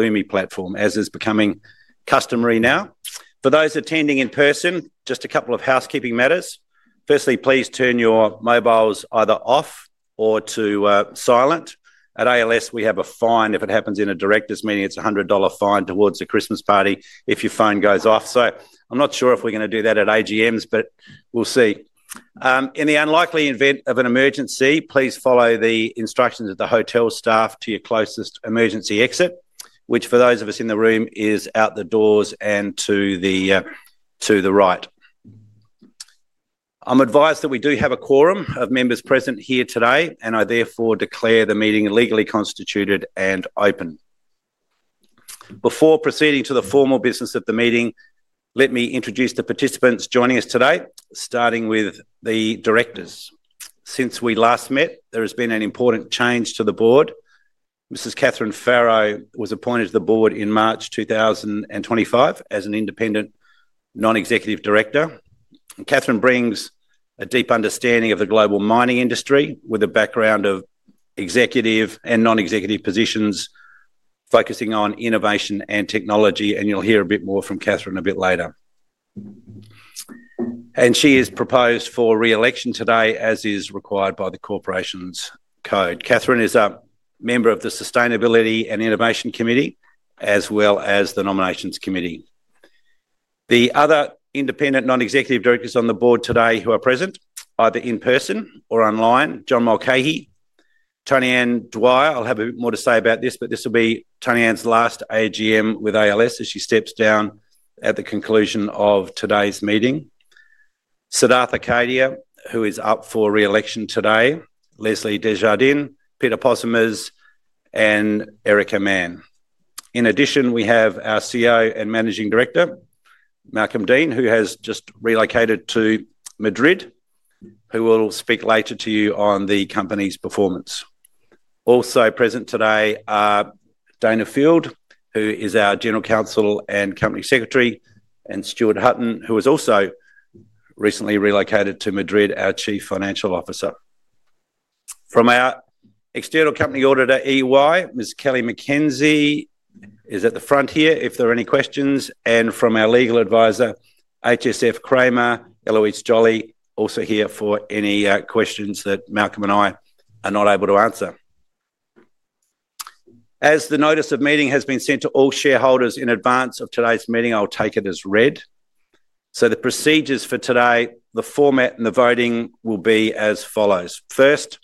Lumi platform as is becoming customary now for those attending in person, just a couple of housekeeping matters. Firstly, please turn your mobiles either off or to silent. At ALS we have a fine if it happens in a Director's meeting. It's a 100 dollar fine towards a Christmas party if your phone goes off. I'm not sure if we're going to do that at AGMs, but we'll see. In the unlikely event of an emergency, please follow the instructions of the hotel staff to your closest emergency exit, which for those of us in the room is out the doors and to the right. I'm advised that we do have a quorum of members present here today and I therefore declare the meeting legally constituted and open. Before proceeding to the formal business of the meeting, let me introduce the participants joining us today, starting with the Directors. Since we last met there has been an important change to the Board. Mrs. Catharine Farrow was appointed to the Board in March 2025 as an independent Non-Executive Director. Catharine brings a deep understanding of the global mining industry with a background of executive and non-executive positions focusing on innovation and technology. You'll hear a bit more from Catharine a bit later and she is proposed for re-election today as is required by the Corporations Code. Catharine is a member of the Sustainability and Innovation Committee as well as the Nominations Committee. The other independent Non-Executive Directors on the Board today who are present either in person or online: John Mulcahy, Tonianne Dwyer. I'll have a bit more to say about this, but this will be Tony Ann's last AGM with ALS as she steps down at the conclusion of today's meeting. Siddhartha Kadia, who is up for re-election today. Leslie Desjardins, Peter Possemiers, and Erica Mann. In addition, we have our CEO and Managing Director Malcolm Deane, who has just relocated to Madrid, who will speak later to you on the company's performance. Also present today are Dayna Field, who is our General Counsel and Company Secretary, and Stuart Hutton, who was also recently relocated to Madrid, our Chief Financial Officer. From our external company auditor EY, Ms. Kelly McKenzie is at the front here if there are any questions. From our legal advisor HSF, Eloise Jolly is also here for any questions that Malcolm and I are not able to answer. As the notice of meeting has been sent to all shareholders in advance of today's meeting, I'll take it as read. The procedures for today, the format, and the voting will be as follows. First,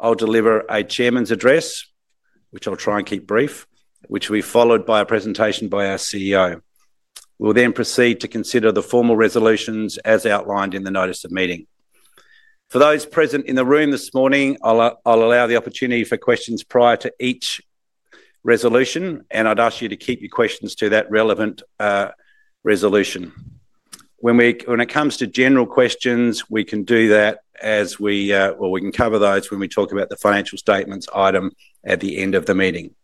I'll deliver a Chairman's address, which I'll try and keep brief, followed by a presentation by our CEO. We'll then proceed to consider the formal resolutions as outlined in the Notice of Meeting. For those present in the room this morning, I'll allow the opportunity for questions prior to each resolution, and I'd ask you to keep your questions to that relevant resolution. When it comes to general questions, we can do that as we go, or we can cover those when we talk about the financial statements item at the end of the meeting.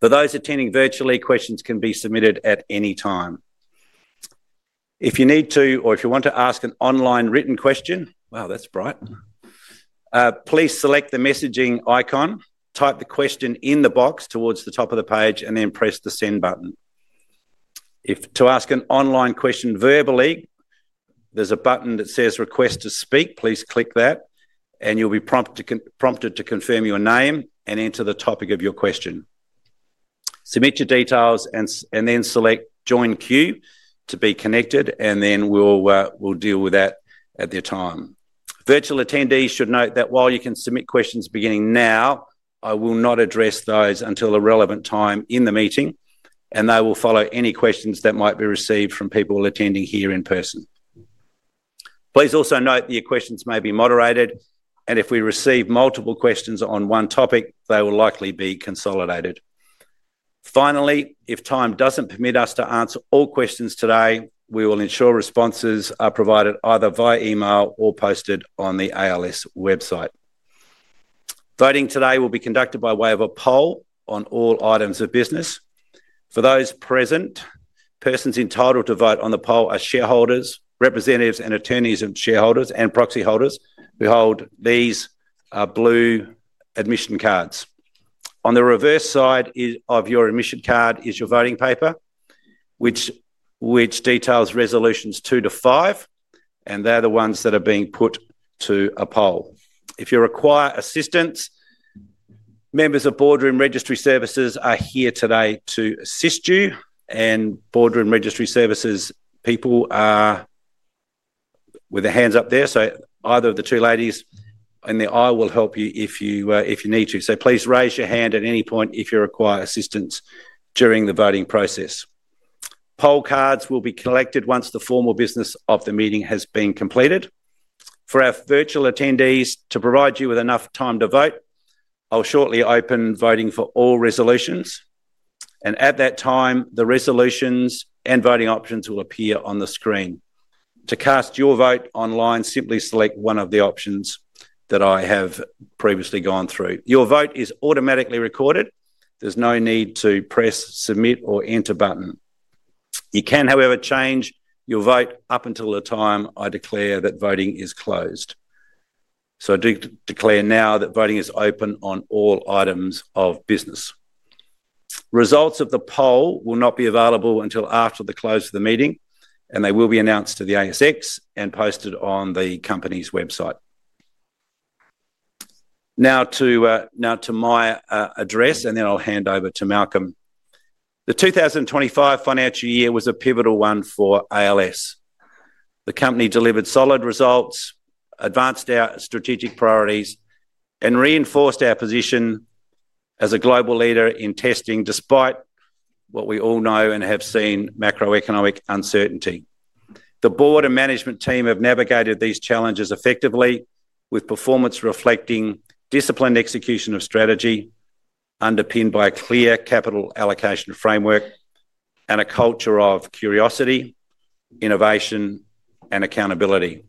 For those attending virtually, questions can be submitted at any time if you need to, or if you want to ask an online written question. Wow, that's bright. Please select the messaging icon, type the question in the box towards the top of the page, and then press the Send button to ask an online question verbally. There's a button that says Request to Speak. Please click that, and you'll be prompted to confirm your name and enter the topic of your question. Submit your details and then select Join Queue to be connected, and then we'll deal with that at the appropriate time. Virtual attendees should note that while you can submit questions beginning now, I will not address those until a relevant time in the meeting, and they will follow any questions that might be received from people attending here in person. Please also note that your questions may be moderated, and if we receive multiple questions on one topic, they will likely be consolidated. Finally, if time doesn't permit us to answer all questions today, we will ensure responses are provided either via email or posted on the ALS Limited website. Voting today will be conducted by way of a poll on all items of business. Persons entitled to vote on the poll are shareholders, representatives and attorneys, and shareholders and proxy holders. Behold these blue admission cards. On the reverse side of your admission card is your voting paper, which details resolutions two to five, and they're the ones that are being put to a poll. If you require assistance, members of Boardroom Registry Services are here today to assist you, and Boardroom Registry Services people are with their hands up there, so either of the two ladies in the aisle will help you if you need to. Please raise your hand at any point if you require assistance during the voting process. Poll cards will be collected once the formal business of the meeting has been completed for our virtual attendees to provide you with enough time to vote. I'll shortly open voting for all resolutions and at that time the resolutions and voting options will appear on the screen. To cast your vote online, simply select one of the options that I have previously gone through. Your vote is automatically recorded. There's no need to press Submit or Enter button. You can, however, change your vote up until the time I declare that voting is closed. I do declare now that voting is open on all items of business. Results of the poll will not be available until after the close of the meeting and they will be announced to the ASX and posted on the Company's website. Now to my address and then I'll hand over to Malcolm. The 2025 financial year was a pivotal one for ALS. The company delivered solid results, advanced our strategic priorities, and reinforced our position as a global leader in testing, despite what we all know and have seen, macroeconomic uncertainty. The Board and management team have navigated these challenges effectively with performance reflecting disciplined execution of strategy underpinned by a clear capital allocation framework and a culture of curiosity, innovation, and accountability.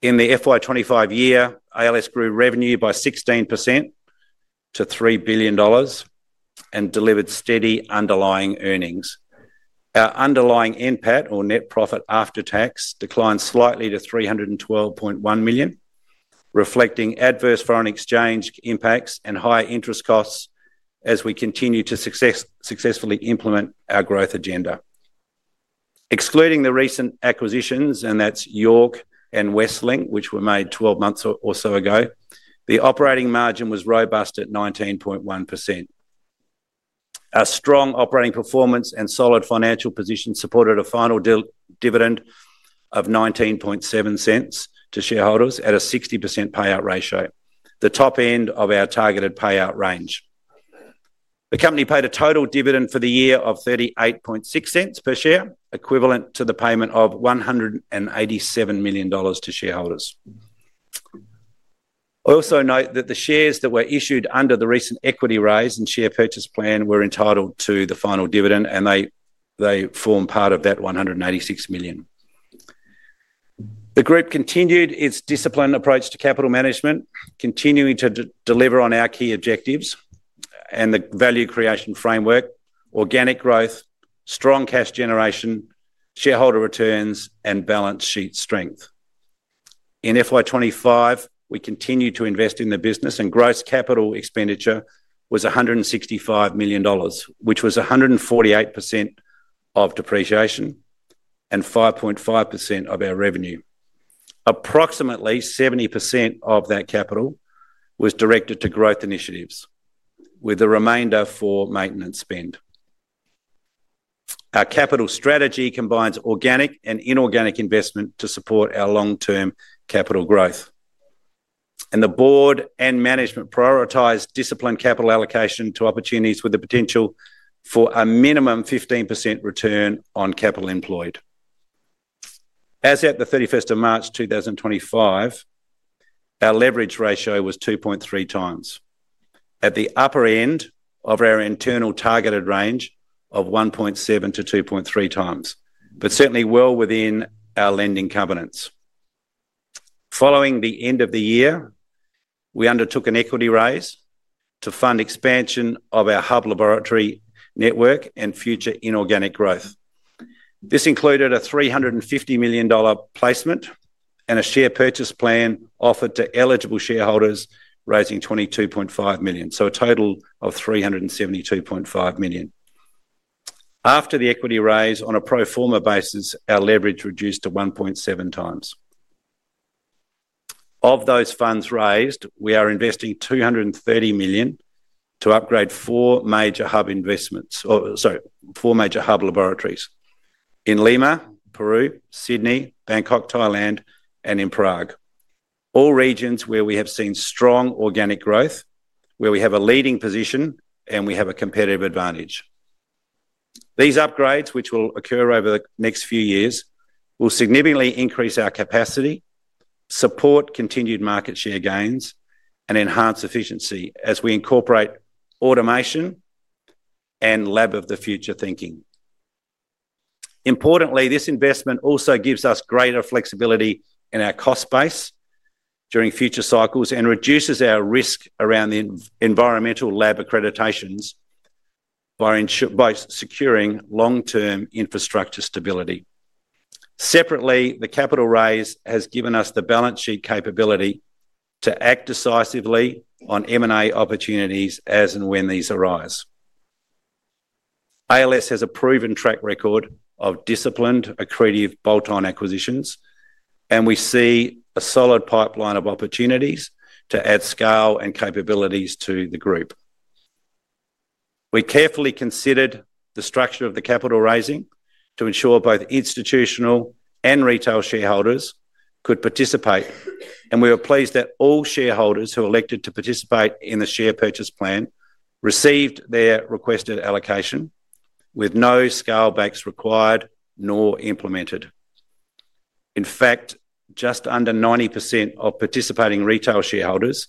In the FY 2025 year, ALS grew revenue by 16% to 3 billion dollars and delivered steady underlying earnings. Our underlying NPAT, or net profit after tax, declined slightly to 312.1 million, reflecting adverse foreign exchange impacts and high interest costs. As we continue to successfully implement our growth agenda, excluding the recent acquisitions, and that's York and Westlink which were made 12 months or so ago, the operating margin was robust at 19.1%. Our strong operating performance and solid financial position supported a final dividend of 0.197 to shareholders at a 60% payout ratio, the top end of our targeted payout range. The company paid a total dividend for the year of 0.386 per share, equivalent to the payment of 187 million dollars to shareholders. I also note that the shares that were issued under the recent equity raise and share purchase plan were entitled to the final dividend and they form part of that 186 million. The group continued its disciplined approach to capital management, continuing to deliver on our key objectives and the value creation framework, organic growth, strong cash generation, shareholder returns, and balance sheet strength. In FY 2025, we continue to invest in the business and gross capital expenditure was 165 million dollars, which was 148% of depreciation and 5.5% of our revenue. Approximately 70% of that capital was directed to growth initiatives with the remainder for maintenance spend. Our capital strategy combines organic and inorganic investment to support our long-term capital growth and the Board and management prioritize disciplined capital allocation to opportunities with the potential for a minimum 15% return on capital employed. As at 31 March 2025, our leverage ratio was 2.3x at the upper end of our internal targeted range of 1.7x-2.3x, but certainly well within our lending covenants. Following the end of the year, we undertook an equity raise to fund expansion of our hub laboratory network and future inorganic growth. This included a 350 million dollar placement and a share purchase plan offered to eligible shareholders raising 22.5 million, so a total of 372.5 million. After the equity raise on a pro forma basis, our leverage reduced to 1.7x of those funds raised. We are investing 230 million to upgrade four major hub laboratories in Lima, Peru, Sydney, Bangkok, Thailand, and in Prague, all regions where we have seen strong organic growth, where we have a leading position and we have a competitive advantage. These upgrades, which will occur over the next few years, will significantly increase our capacity, support continued market share gains, and enhance efficiency as we incorporate automation and lab of the future thinking. Importantly, this investment also gives us greater flexibility in our cost base during future cycles and reduces our risk around the environmental lab accreditations by securing long-term infrastructure stability. Separately, the capital raise has given us the balance sheet capability to act decisively on M&A opportunities as and when these arise. ALS has a proven track record of disciplined accretive bolt-on acquisitions and we see a solid pipeline of opportunities to add scale and capabilities to the group. We carefully considered the structure of the capital raising to ensure both institutional and retail shareholders could participate and we were pleased that all shareholders who elected to participate in the share purchase plan received their requested allocation with no scale backs required nor implemented. In fact, just under 90% of participating retail shareholders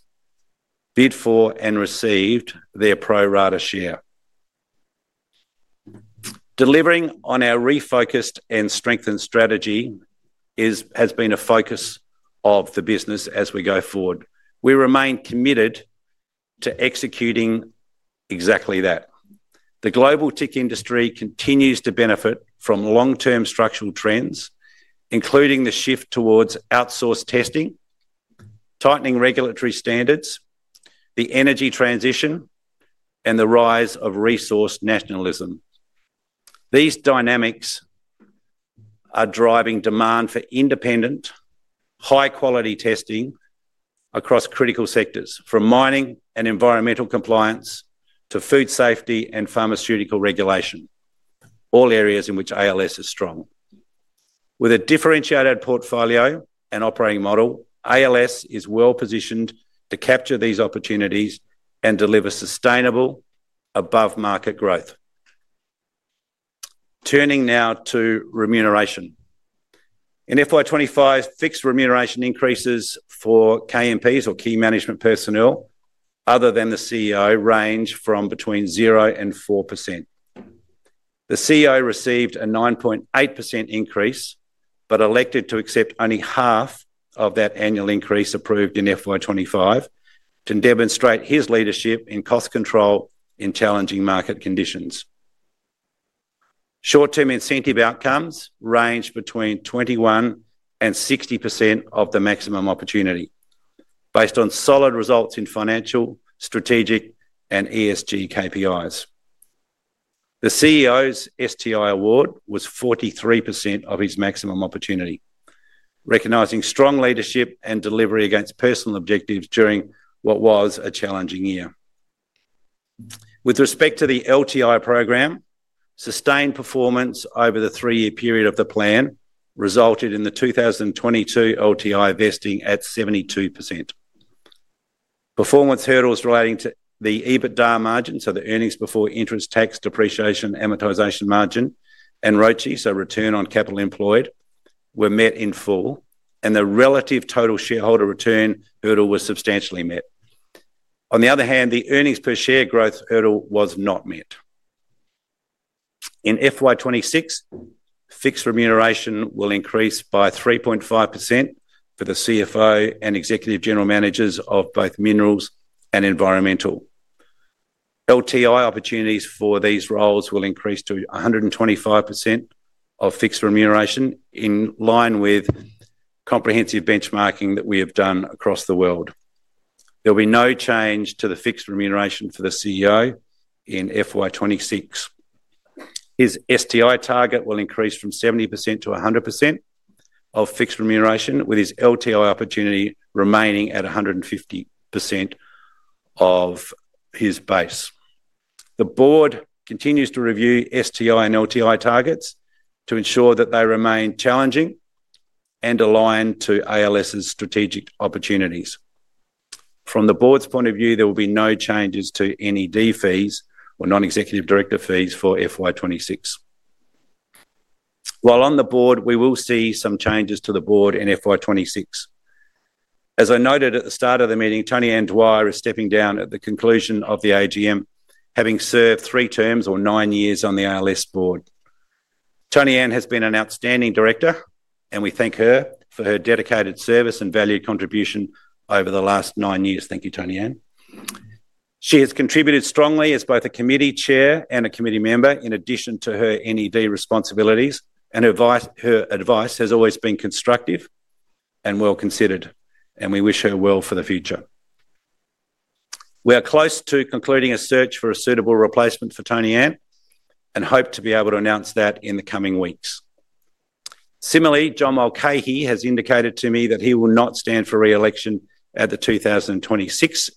bid for and received their pro rata share. Delivering on our refocused and strengthened strategy has been a focus of the business as we go forward. We remain committed to executing exactly that. The global TIC industry continues to benefit from long-term structural trends including the shift towards outsourced testing, tightening regulatory standards, the energy transition, and the rise of resource nationalism. These dynamics are driving demand for independent high-quality testing across critical sectors from mining and environmental compliance to food safety and pharmaceutical regulation, all areas in which ALS is strong. With a differentiated portfolio and operating model, ALS is well positioned to capture these opportunities and deliver sustainable above-market growth. Turning now to remuneration in FY 2025, fixed remuneration increases for KMPs, or Key Management Personnel, other than the CEO, range from between 0%-4%. The CEO received a 9.8% increase but elected to accept only half of that annual increase approved in FY 2025 to demonstrate his leadership in cost control in challenging market conditions. Short-term incentive outcomes range between 21%-60% of the maximum opportunity based on solid results in financial, strategic, and ESG KPIs. The CEO's STI award was 43% of his maximum opportunity, recognizing strong leadership and delivery against personal objectives during what was a challenging year. With respect to the LTI program, sustained performance over the three-year period of the plan resulted in the 2022 LTI vesting at 72%. Performance hurdles relating to the EBITDA margin, so the earnings before interest, tax, depreciation, amortization margin, and ROCE, so return on capital employed, were met in full, and the relative total shareholder return hurdle was substantially met. On the other hand, the earnings per share growth hurdle was not met. In FY 2026, fixed remuneration will increase by 3.5% for the CFO and Executive General Managers of both Minerals and Environmental. LTI opportunities for these roles will increase to 125% of fixed remuneration in line with comprehensive benchmarking that we have done across the world. There will be no change to the fixed remuneration for the CEO in FY 2026. His STI target will increase from 70% to 100% of fixed remuneration, with his LTI opportunity remaining at 150% of his base. The Board continues to review STI and LTI targets to ensure that they remain challenging and aligned to ALS's strategic opportunities. From the Board's point of view, there will be no changes to NED fees or Non-Executive Director fees for FY 2026 while on the Board. We will see some changes to the Board in FY 2026. As I noted at the start of the meeting, Tonianne Dwyer is stepping down at the conclusion of the AGM having served three terms or nine years on the ALS Board. Tonianne has been an outstanding Director and we thank her for her dedicated service and valued contribution over the last nine years. Thank you, Tonianne. She has contributed strongly as both a Committee Chair and a committee member in addition to her NED responsibilities, and her advice has always been constructive and well considered. We wish her well for the future. We are close to concluding a search for a suitable replacement for Tonianne and hope to be able to announce that in the coming weeks. Similarly, John Mulcahy has indicated to me that he will not stand for re-election at the 2026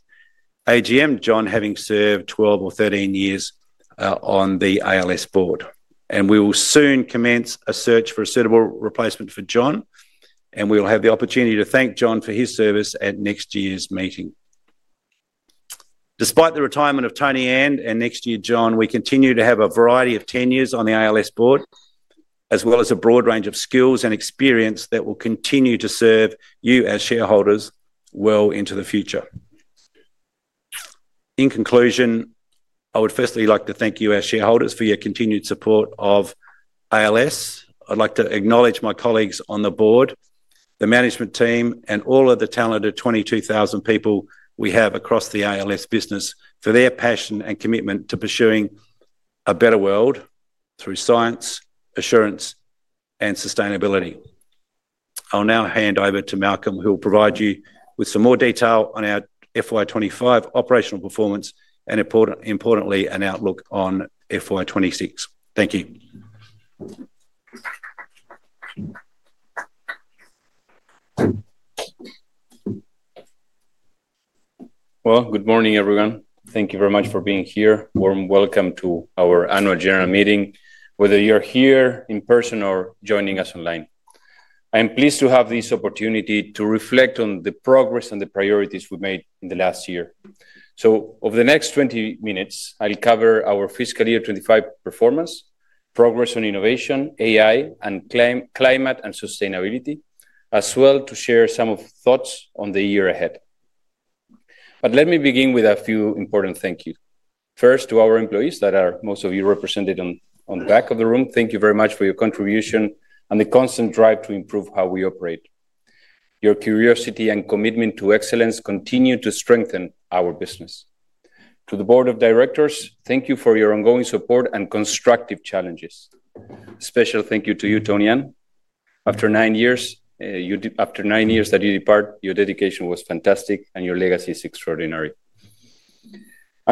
AGM. John, having served 12 or 13 years on the ALS Board, and we will soon commence a search for a suitable replacement for John. We will have the opportunity to thank John for his service at next year's meeting. Despite the retirement of Tonianne and next year John, we continue to have a variety of tenures on the ALS Board as well as a broad range of skills and experience that will continue to serve you as shareholders well into the future. In conclusion, I would firstly like to thank you, our shareholders, for your continued support of ALS. I'd like to acknowledge my colleagues on the Board, the management team, and all of the talented 22,000 people we have across the ALS business for their passion and commitment to pursuing a better world through science, assurance, and sustainability. I'll now hand over to Malcolm who will provide you with some more detail on our FY 2025 operational performance and, importantly, an outlook on FY 2026. Thank you. Good morning everyone. Thank you very much for being here. Warm welcome to our annual general meeting. Whether you're here in person or joining us online, I am pleased to have this opportunity to reflect on the progress and the priorities we've made in the last year. Over the next 20 minutes I'll cover our fiscal year 2025 performance, progress on innovation, AI, and climate and sustainability, as well to share some thoughts on the year ahead. Let me begin with a few important thank yous. First to our employees, most of you represented at the back of the room, thank you very much for your contribution and the constant drive to improve how we operate. Your curiosity and commitment to excellence continue to strengthen our business. To the Board of Directors, thank you for your ongoing support and constructive challenges. Special thank you to you, Tonianne. After nine years as you depart, your dedication was fantastic and your legacy is extraordinary.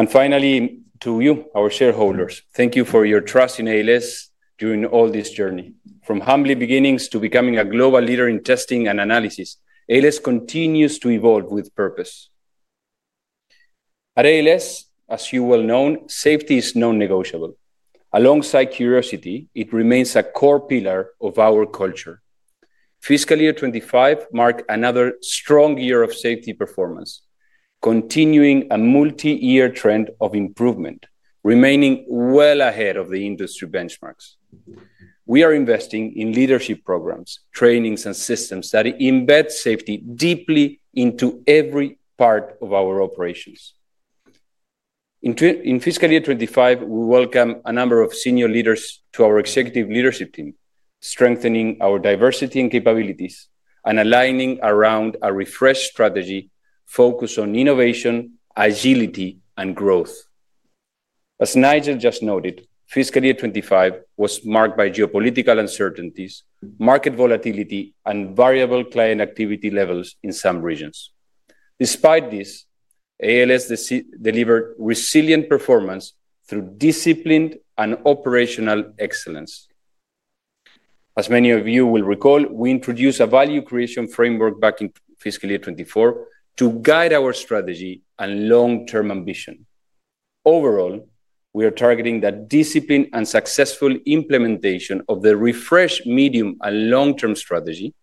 Finally, to you, our shareholders, thank you for your trust in ALS during all this journey. From humble beginnings to becoming a global leader in testing and analysis, ALS continues to evolve with purpose. At ALS, as you well know, safety is non-negotiable. Alongside curiosity, it remains a core pillar of our culture. Fiscal year 2025 marked another strong year of safety performance, continuing a multi-year trend of improvement, remaining well ahead of the industry benchmarks. We are investing in leadership programs, trainings, and systems that embed safety deeply into every part of our operations. In fiscal year 2025, we welcomed a number of senior leaders to our executive leadership team, strengthening our diversity and capabilities and aligning around a refreshed strategy focused on innovation, agility, and growth. As Nigel just noted, fiscal year 2025 was marked by geopolitical uncertainties, market volatility, and variable client activity levels in some regions. Despite this, ALS delivered resilient performance through disciplined and operational excellence. As many of you will recall, we introduced a value creation framework back in fiscal year 2024 to guide our strategy and long-term ambition. Overall, we are targeting that disciplined and successful implementation of the refresh, medium and long term strategy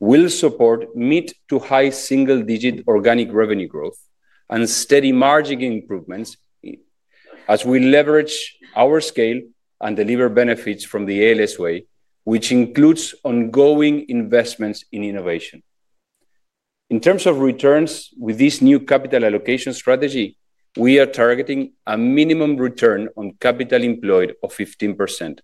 will support mid to high single digit organic revenue growth and steady margin improvements as we leverage our scale and deliver benefits from the ALS way, which includes ongoing investments in innovation in terms of returns. With this new capital allocation strategy, we are targeting a minimum return on capital employed of 15%.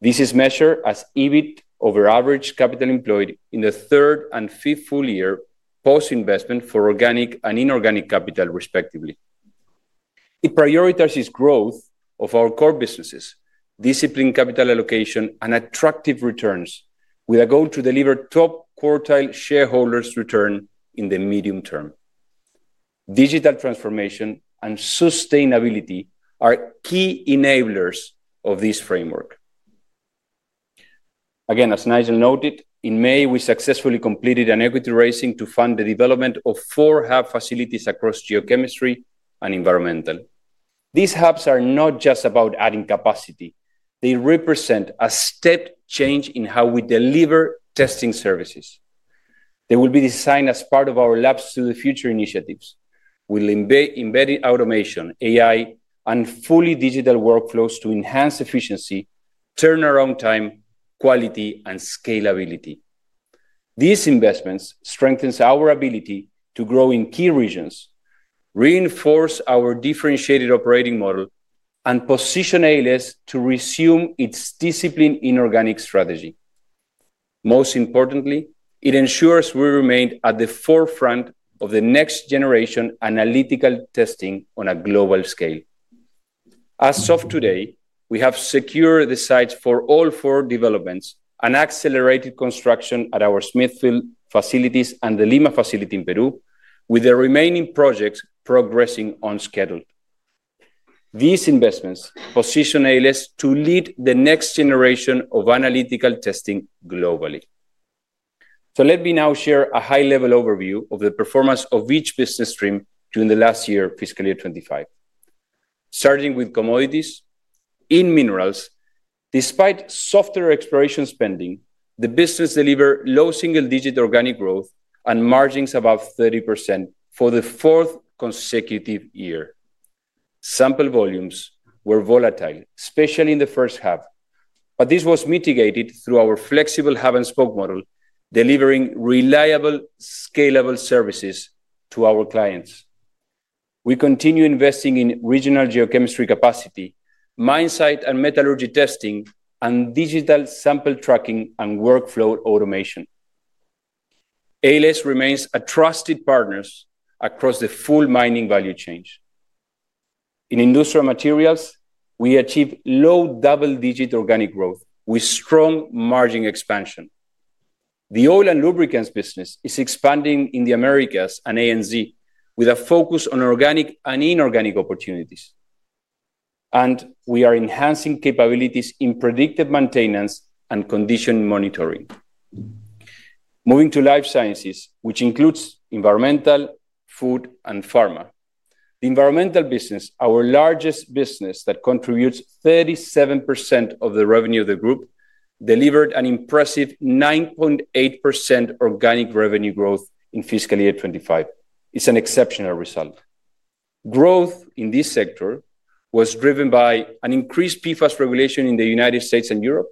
This is measured as EBIT over average capital employed in the third and fifth full year post investment for organic and inorganic capital respectively. It prioritizes growth of our core businesses, disciplined capital allocation, and attractive returns with a goal to deliver top quartile shareholders return in the medium term. Digital transformation and sustainability are key enablers of this framework. As Nigel noted in May, we successfully completed an equity raising to fund the development of four hub facilities across geochemistry and environmental. These hubs are not just about adding capacity, they represent a step change in how we deliver testing services. They will be designed as part of our labs to the future. Initiatives will embed automation, AI, and fully digital workflows to enhance efficiency, turnaround time, quality, and scalability. These investments strengthen our ability to grow in key regions, reinforce our differentiated operating model, and position ALS to resume its disciplined inorganic strategy. Most importantly, it ensures we remain at the forefront of the next generation analytical testing on a global scale. As of today, we have secured the sites for all four developments and accelerated construction at our Smithfield facilities and the Lima facility in Peru, with the remaining projects progressing on schedule. These investments position ALS to lead the next generation of analytical testing globally. Let me now share a high level overview of the performance of each business stream during the last year. Fiscal year 2025, starting with commodities in minerals, despite softer exploration spending, the business delivered low single digit organic growth and margins above 30% for the fourth consecutive year. Sample volumes were volatile, especially in the first half, but this was mitigated through our flexible hub and spoke model delivering reliable, scalable services to our clients. We continue investing in regional geochemistry capacity, mine site and metallurgy testing, and digital sample tracking and workflow automation. ALS remains a trusted partner across the full mining value chains. In industrial materials, we achieved low double-digit organic growth with strong margin expansion. The oil and lubricants business is expanding in the Americas and ANZ with a focus on organic and inorganic opportunities, and we are enhancing capabilities in predictive maintenance and condition monitoring. Moving to Life Sciences, which includes environmental, food, and pharma. The environmental business, our largest business that contributes 37% of the revenue of the group, delivered an impressive 9.8% organic revenue growth in fiscal year 2025. It's an exceptional result. Growth in this sector was driven by increased PFAS regulation in the United States and Europe,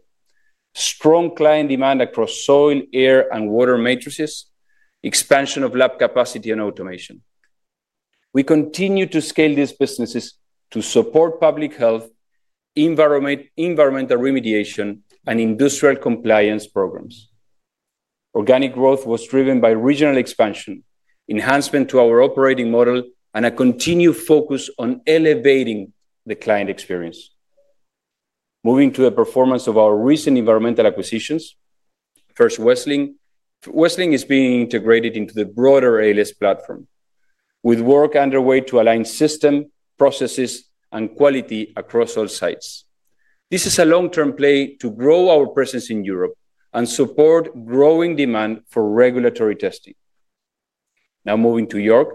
strong client demand across soil, air, and water matrices, expansion of lab capacity, and automation. We continue to scale these businesses to support public health, environmental remediation, and industrial compliance programs. Organic growth was driven by regional expansion, enhancement to our operating model, and a continued focus on elevating the client experience. Moving to the performance of our recent environmental acquisitions. First, Westlink is being integrated into the broader ALS platform with work underway to align system processes and quality across all sites. This is a long-term play to grow our presence in Europe and support growing demand for regulatory testing. Now moving to York,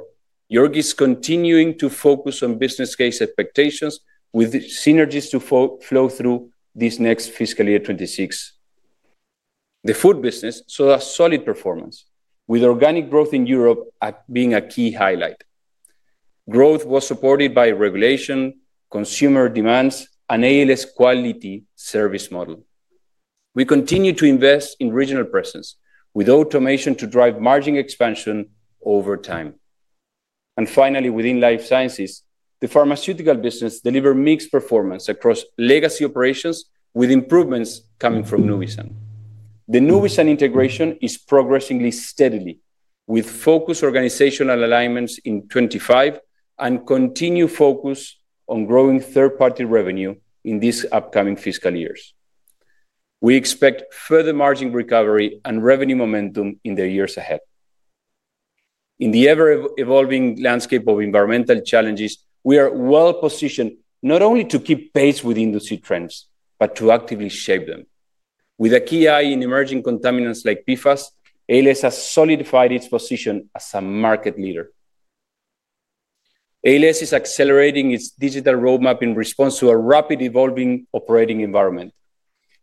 York is continuing to focus on business case expectations with synergies to flow through this next fiscal year 2026. The food business saw a solid performance with organic growth in Europe being a key highlight. Growth was supported by regulation, consumer demands, and ALS quality service model. We continue to invest in regional presence with automation to drive margin expansion over time. Finally, within Life Sciences, the pharmaceutical business delivered mixed performance across legacy operations with improvements coming from Nuvisan. The Nuvisan integration is progressing steadily with focused organizational alignments in 2025 and continued focus on growing third-party revenue in these upcoming fiscal years. We expect further margin recovery and revenue momentum in the years ahead. In the ever-evolving landscape of environmental challenges, we are well positioned not only to keep pace with industry trends, but to actively shape them with a keen eye on emerging contaminants like PFAS. ALS has solidified its position as a market leader. ALS is accelerating its digital roadmap in response to a rapidly evolving operating environment.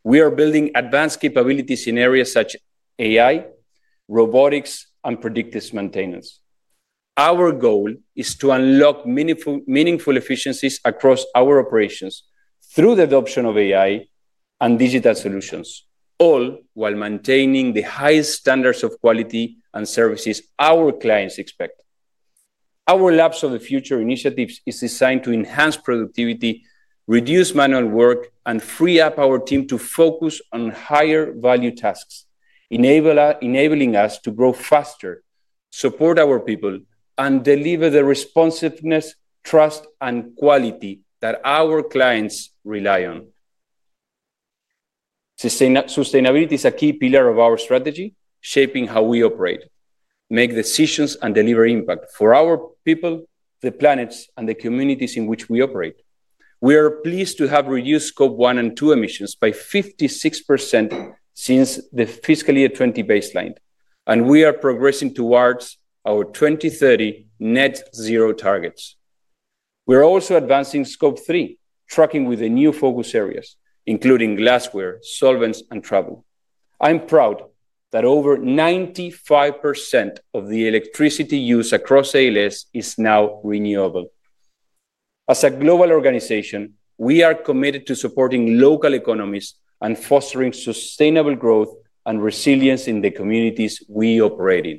We are building advanced capabilities in areas such as AI, robotics, and predictive maintenance. Our goal is to unlock meaningful efficiencies across our operations through the adoption of AI and digital solutions, all while maintaining the highest standards of quality and services our clients expect. Our Labs of the Future initiative is designed to enhance productivity, reduce manual work, and free up our team to focus on higher-value tasks, enabling us to grow faster, support our people, and deliver the responsiveness, trust, and quality that our clients rely on. Sustainability is a key pillar of our strategy, shaping how we operate, make decisions, and deliver impact for our people, the planet, and the communities in which we operate. We are pleased to have reduced Scope 1 and 2 emissions by 56% since the fiscal year 2020 baseline, and we are progressing towards our 2030 net zero targets. We're also advancing Scope 3 tracking with new focus areas including glassware, solvents, and travel. I'm proud that over 95% of the electricity used across ALS is now renewable. As a global organization, we are committed to supporting local economies and fostering sustainable growth and resilience in the communities we operate in.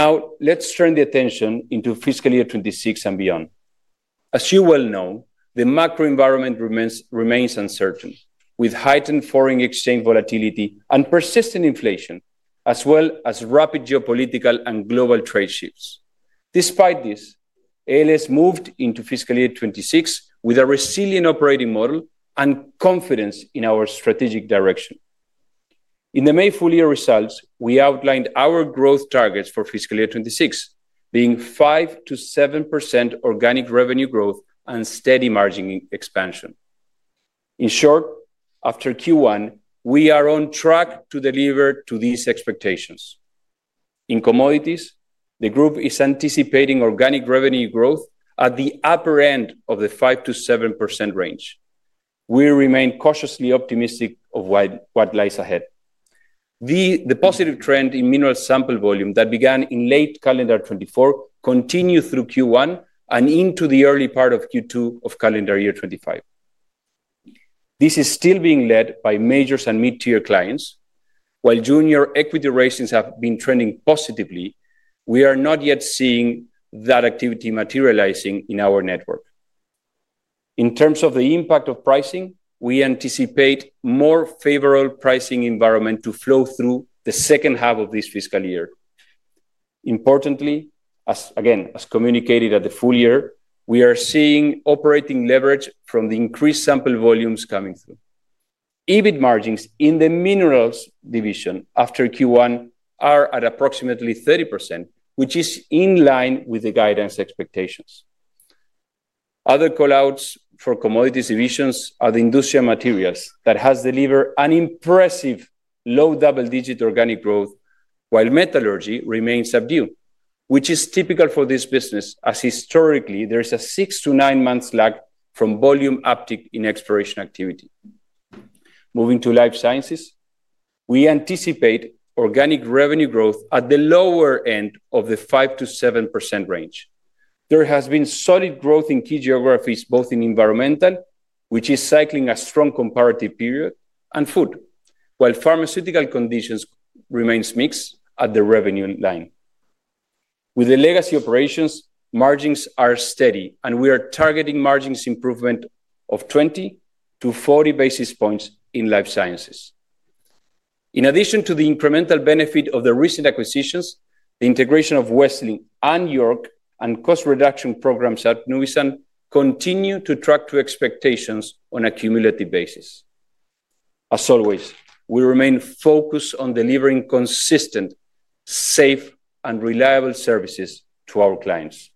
Now let's turn the attention to fiscal year 2026 and beyond. As you well know, the macro environment remains uncertain with heightened FX volatility and persistent inflation as well as rapid geopolitical and global trade shifts. Despite this, ALS moved into fiscal year 2026 with a resilient operating model and confidence in our strategic direction. In the May full year results, we outlined our growth targets for fiscal year 2026 being 5%-7% organic revenue growth and steady margin expansion. In short, after Q1 we are on track to deliver to these expectations. In commodities, the group is anticipating organic revenue growth at the upper end of the 5%-7% range. We remain cautiously optimistic of what lies ahead. The positive trend in mineral sample volume that began in late calendar 2024 continued through Q1 and into the early part of Q2 of calendar year 2025. This is still being led by majors and mid tier clients. While junior equity rations have been trending positively, we are not yet seeing that activity materializing in our network. In terms of the impact of pricing, we anticipate a more favorable pricing environment to flow through the second half of this fiscal year. Importantly, as again as communicated at the full year, we are seeing operating leverage from the increased sample volumes coming through EBIT. Margins in the Minerals division after Q1 are at approximately 30%, which is in line with the guidance expectations. Other call outs for Commodities divisions are the industrial materials that has delivered an impressive low double digit organic growth, while metallurgy remains subdued, which is typical for this business as historically there is a six to nine months lag from volume uptick in exploration activity. Moving to Life Sciences, we anticipate organic revenue growth at the lower end of the 5%-7% range. There has been solid growth in key geographies both in Environmental, which is cycling a strong comparative period, and Food, while pharmaceutical conditions remain mixed at the revenue line. With the legacy operations, margins are steady and we are targeting margins improvement of 20- 40 basis points in Life Sciences. In addition to the incremental benefit of the recent acquisitions, the integration of Westlink and York and cost reduction programs at Nuvisan continue to track to expectations on a cumulative basis. As always, we remain focused on delivering consistent, safe, and reliable services to our clients.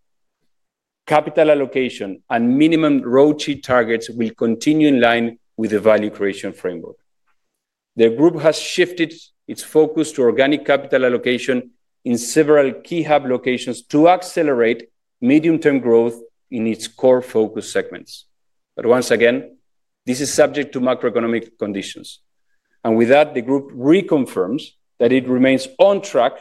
Capital allocation and minimum roadsheet targets will continue in line with the value creation framework. The Group has shifted its focus to organic capital allocation in several key hub locations to accelerate medium term growth in its core focus segments. This is subject to macroeconomic conditions, and with that, the Group reconfirms that it remains on track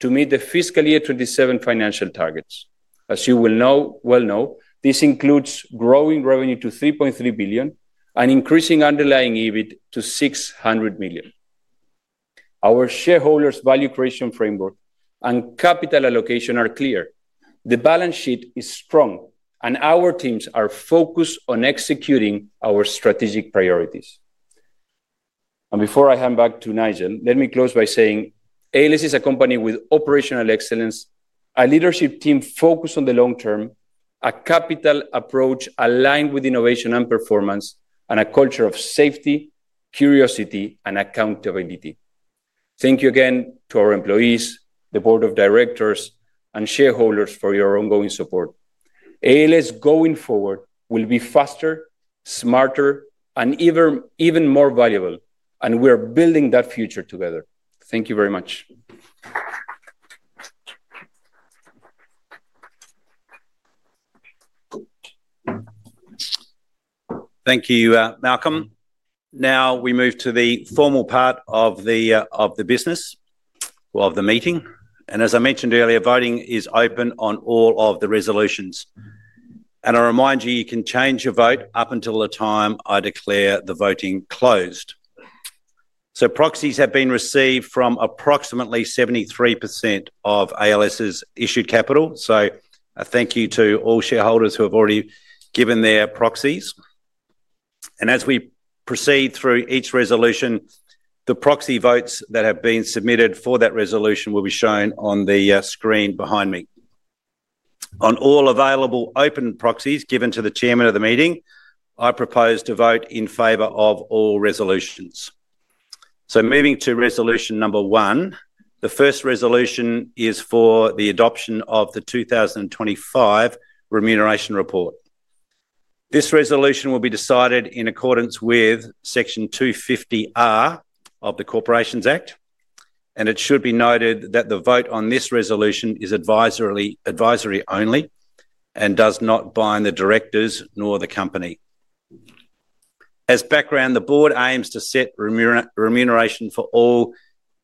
to meet the fiscal year 2027 financial targets. As you well know, this includes growing revenue to 3.3 billion and increasing underlying EBIT to 600 million. Our shareholders value creation framework and capital allocation are clear. The balance sheet is strong and our teams are focused on executing our strategic priorities. Before I hand back to Nigel, let me close by saying ALS is a company with operational excellence, a leadership team focused on the long term, a capital approach aligned with innovation and performance, and a culture of safety, curiosity, and accountability. Thank you again to our employees, the Board of Directors, and shareholders for your ongoing support. ALS going forward will be faster, smarter, and even more valuable. We are building that future together. Thank you very much. Thank you, Malcolm. Now we move to the formal part of the business of the meeting and as I mentioned earlier, voting is open on all of the resolutions. I remind you, you can change your vote up until the time I declare the voting closed. Proxies have been received from approximately 73% of ALS's issued capital. Thank you to all shareholders who have already given their proxies. As we proceed through each resolution, the proxy votes that have been submitted for that resolution will be shown on the screen behind me on all available open proxies given to the Chairman of the meeting. I propose to vote in favor of all resolutions. Moving to resolution number one, the first resolution is for the adoption of the 2025 remuneration report. This resolution will be decided in accordance with section 250R of the Corporations Act. It should be noted that the vote on this resolution is advisory only and does not bind the directors nor the company. As background, the Board aims to set remuneration for all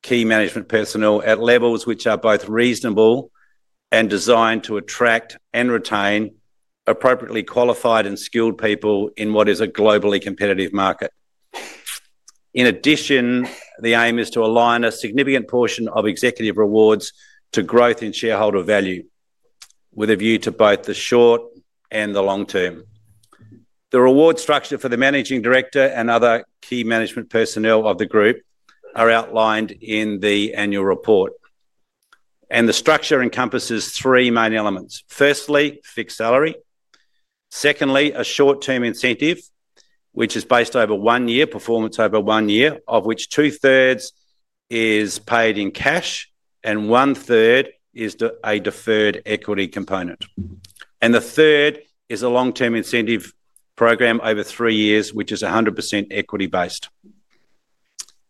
key management personnel at levels which are both reasonable and designed to attract and retain appropriately qualified and skilled people in what is a globally competitive market. In addition, the aim is to align a significant portion of executive rewards to growth in shareholder value, with a view to both the short and the long term. The reward structure for the Managing Director and other key management personnel of the Group are outlined in the Annual Report and the structure encompasses three main elements. Firstly, fixed salary. Secondly, a short term incentive which is based over one year performance, of which 2/3 is paid in cash and 1/3 is a deferred equity component. The third is a long term incentive program over three years which is 100% equity based.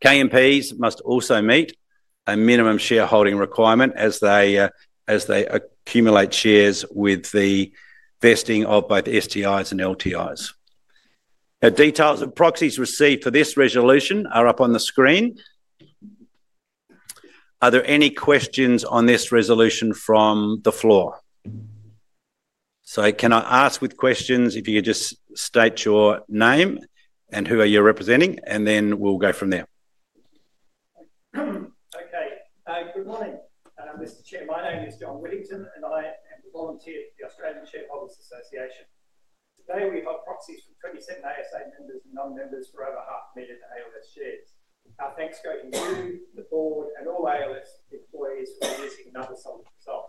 KMPs must also meet a minimum shareholding requirement as they accumulate shares with the vesting of both STIs and LTIs. Details of proxies received for this resolution are up on the screen. Are there any questions on this resolution from the floor? Can I ask with questions, if you could just state your name and who you are representing and then we'll go from there. Okay. Good morning, Mr. Chair. My name is John Whittington and I am a volunteer for the Australian Shareholders Association. Today we hold proxies from 27 ASA members and non-members for over 500,000 ALS shares. Our thanks go to you, the board, and all ALS employees for producing another solid result.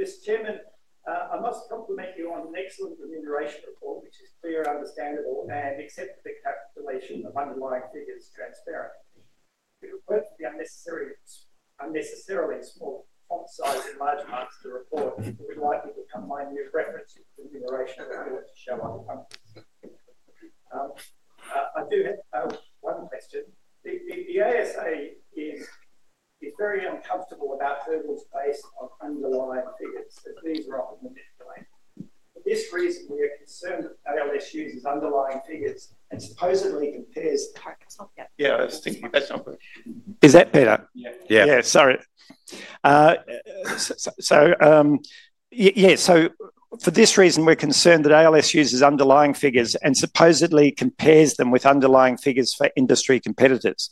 Mr. Chairman, I must compliment you on an excellent remuneration report which is clear, understandable, and accept the deletion of underlying figures. Transparent. If it weren't for the unnecessarily small font size and large amounts to report, it would likely become minute reference. I do have one question. The ASA is very uncomfortable about hurdles based on underlying figures. For this reason, we are concerned that ALS uses underlying figures and supposedly compares. Is that better? Yeah. Yes, for this reason we're concerned that ALS uses underlying figures and supposedly compares them with underlying figures for industry competitors.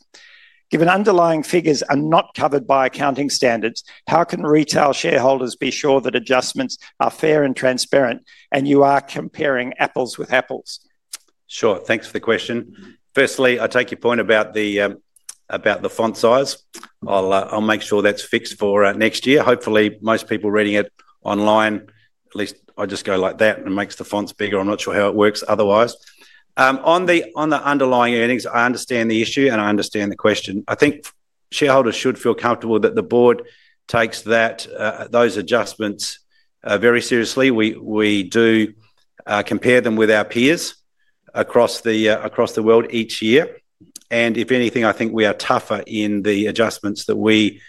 Given underlying figures are not covered by accounting standards, how can retail shareholders be sure that adjustments are fair and transparent? You are comparing apples with apples. Sure. Thanks for the question. Firstly, I take your point about the font size. I'll. I'll make sure that's fixed for next year. Hopefully most people reading it online at least, I just go like that and it makes the fonts bigger. I'm not sure how it works otherwise. On the underlying earnings, I understand the issue and I understand the question. I think shareholders should feel comfortable that the Board takes those adjustments very seriously. We do compare them with our peers across the world each year, and if anything, I think we are tougher in the adjustments that we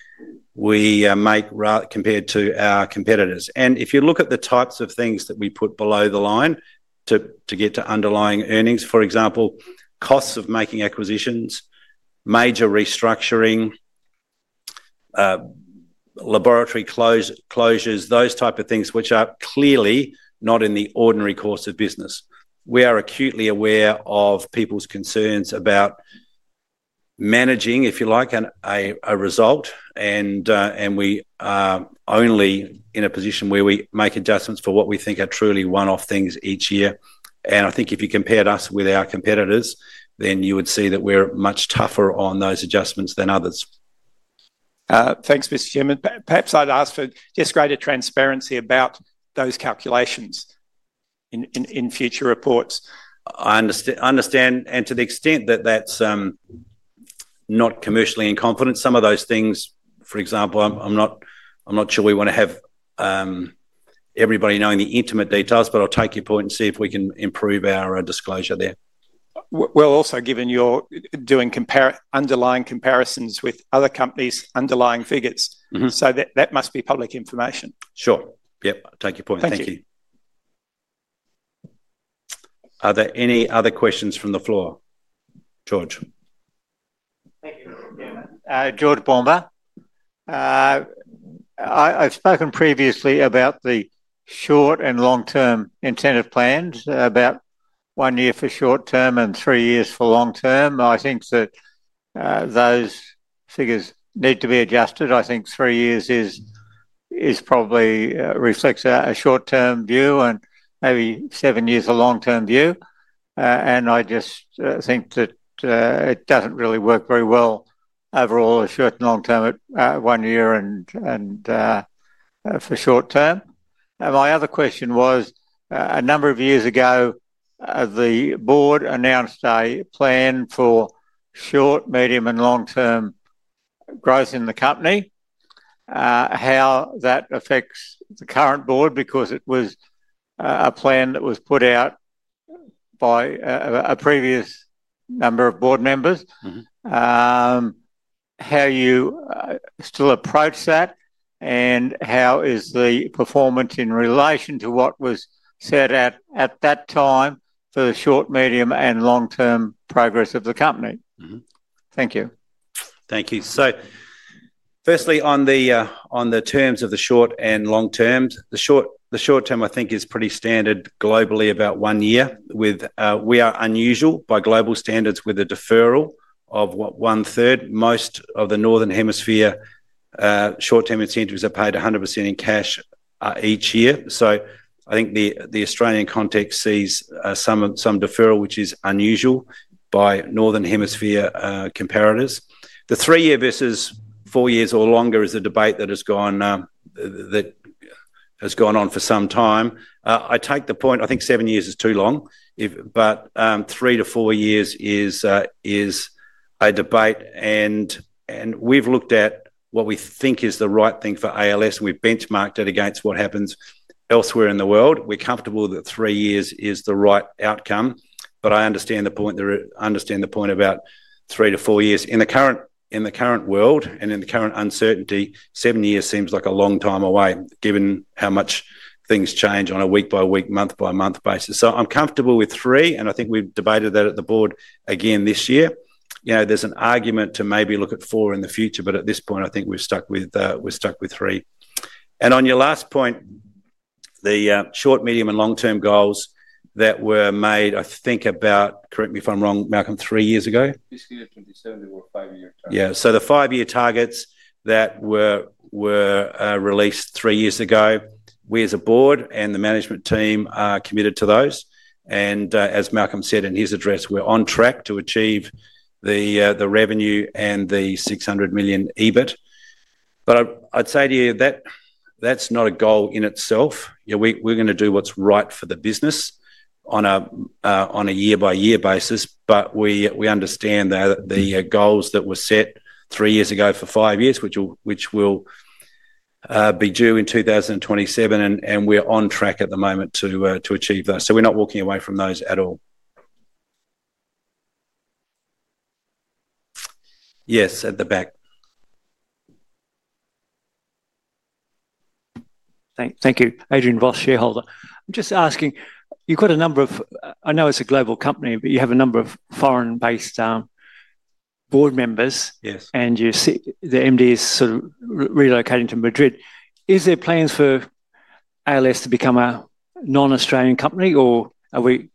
make compared to our competitors. If you look at the types of things that we put below the line to get to underlying earnings, for example, costs of making acquisitions, major restructuring, laboratory closures, those types of things, which are clearly not in the ordinary course of business, we are acutely aware of people's concerns about managing, if you like, a result. We are only in a position where we make adjustments for what we think are truly one-off things each year. I think if you compared us with our competitors, then you would see that we're much tougher on those adjustments than others. Thanks, Mr. Chairman. Perhaps I'd ask for just greater transparency about those calculations in future reports. I understand. To the extent that that's not commercially incompetent, some of those things, for example, I'm not sure we want to have everybody knowing the intimate details, but I'll take your point and see if we can improve our disclosure. Given you're doing underlying comparisons with other companies' underlying figures, that must be public information. Sure. Yep, take your point. Thank you. Are there any other questions from the floor? George, thank you. George. I've spoken previously about the. Short and long-term incentive plans about. One year for short term and three. Years for long term. I think that those figures need to be adjusted. I think three years probably reflects a short-term view and maybe seven. Years, a long term view. I just think that it doesn't. Really work very well overall. Long term at one year and for short term. My other question was a number of. Years ago, the Board announced a plan. For short, medium, and long term growth in the company. How that affects the current board. It was a plan that was put. Out by a previous number of board members, how you still approach that and how. Is the performance in relation to what? Was set at that time for the short, medium and long term progress of the company. Thank you. Thank you. Firstly, on the terms of the short and long terms, the short term I think is pretty standard globally, about one year. We are unusual by global standards with a deferral of, what, one-third. Most of the Northern Hemisphere short term incentives are paid 100% in cash each year. I think the Australian context sees some deferral, which is unusual by Northern Hemisphere comparators. The three year versus four years or longer is the debate that has gone on for some time. I take the point. I think seven years is too long. Three to four years is a debate, and we've looked at what we think is the right thing for ALS. We've benchmarked it against what happens elsewhere in the world. We're comfortable that three years is the right outcome. I understand the point. I understand the point about three to four years in the current world, and in the current uncertainty, seven years seems like a long time away given how much things change on a week-by-week, month-by-month basis. I'm comfortable with three, and I think we've debated that at the Board again this year. There's an argument to maybe look at four in the future, but at this point I think we're stuck with three. On your last point, the short, medium, and long term goals that were made, I think about, correct me if I'm wrong, Malcolm, three years ago. Yeah. The five year targets that were released three years ago, we as a Board and the management team are committed to those. As Malcolm said in his address, we're on track to achieve the revenue and the 600 million EBIT. I'd say to you that's not a goal in itself. We're going to do what's right for the business on a year-by-year basis. We understand the goals that were set three years ago for five years, which will be due in 2027, and we're on track at the moment to achieve those. We're not walking away from those at all. Yes, at the back. Thank you. I'm just asking, you've got a number of. I know it's a global company. You have a number of foreign-based board members. Yes. You see the MD is sort. Of relocating to Madrid. Is there plans for ALS to become a non-Australian company, or are we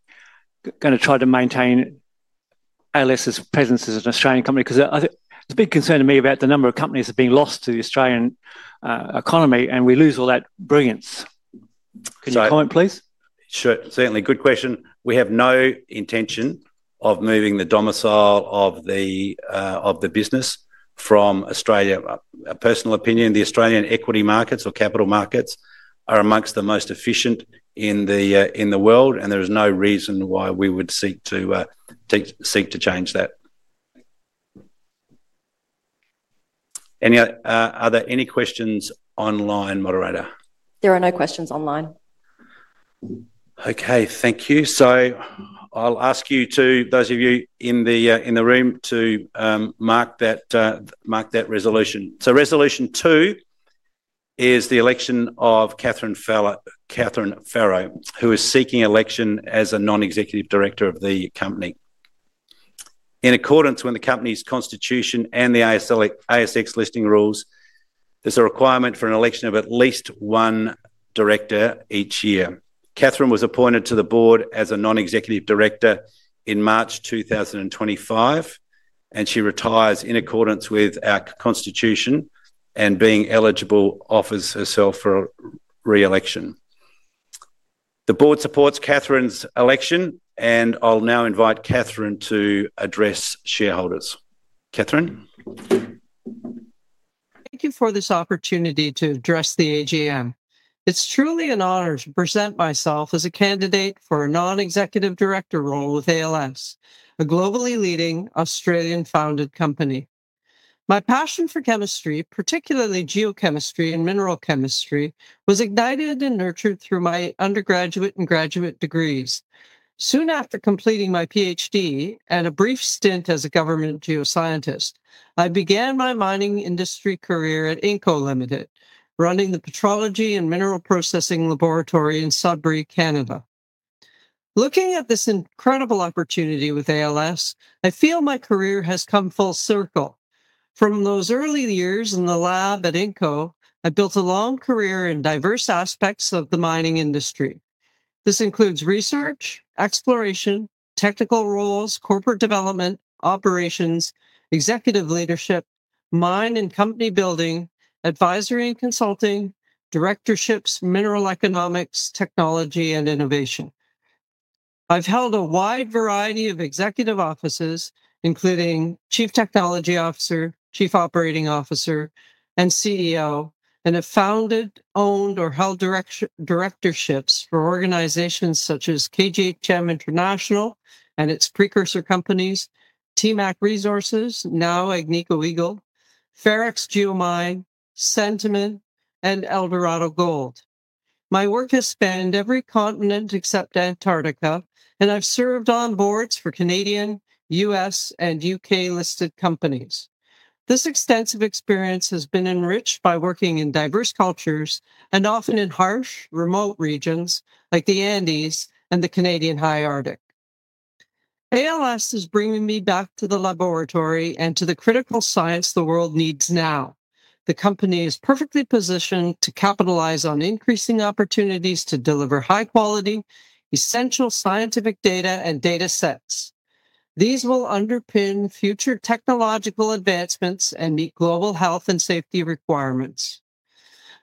going to try to maintain ALS's presence as an Australian company? It's a big concern to me about the number of companies that are. Being lost to the Australian economy, we lose all that brilliance. Can you point, please? Sure. Certainly. Good question. We have no intention of moving the domicile of the business from Australia. A personal opinion, the Australian equity markets or capital markets are amongst the most efficient in the world and there is no reason why we would seek to change that. Are there any questions online? There are no questions online. Okay, thank you. I'll ask those of you in the room to mark that resolution. Resolution two is the election of Catharine Farrow, who is seeking election as a Non-Executive Director of the company. In accordance with the company's constitution and the ASX listing rules, there's a requirement for an election of at least one director each year. Catharine was appointed to the board as a Non-Executive Director in March 2025 and she retires in accordance with our constitution and, being eligible, offers herself for re-election. The board supports Catharine's election and I'll now invite Catharine to address shareholders. Catharine. Thank you for this opportunity to address the AGM. It's truly an honor to present myself as a candidate for a Non-Executive Director role with ALS, a globally leading Australian-founded company. My passion for chemistry, particularly geochemistry and mineral chemistry, was ignited and nurtured through my undergraduate and graduate degrees. Soon after completing my PhD and a brief stint as a government geoscientist, I began my mining industry career at Inco Ltd., running the petrology and mineral processing laboratory in Sudbury, Canada. Looking at this incredible opportunity with ALS, I feel my career has come full circle. From those early years in the lab at Inco, I built a long career in diverse aspects of the mining industry. This includes research, exploration, technical roles, corporate development, operations, executive leadership, mine and company building, advisory and consulting directorships, mineral economics, technology and innovation. I've held a wide variety of executive offices including Chief Technology Officer, Chief Operating Officer and CEO, and have founded, owned or held directorships for organizations such as KGHM International and its precursor companies, TMAC Resources, now Agnico Eagle, Ferrex Geomine, Sentiment and Eldorado Gold. My work has spanned every continent except Antarctica and I've served on boards for Canadian, U.S. and U.K. listed companies. This extensive experience has been enriched by working in diverse cultures and often in harsh remote regions like the Andes and the Canadian High Arctic, and ALS is bringing me back to the laboratory and to the critical science the world needs now. The company is perfectly positioned to capitalize on increasing opportunities to deliver high quality essential scientific data and data sets. These will underpin future technological advancements and meet global health and safety requirements.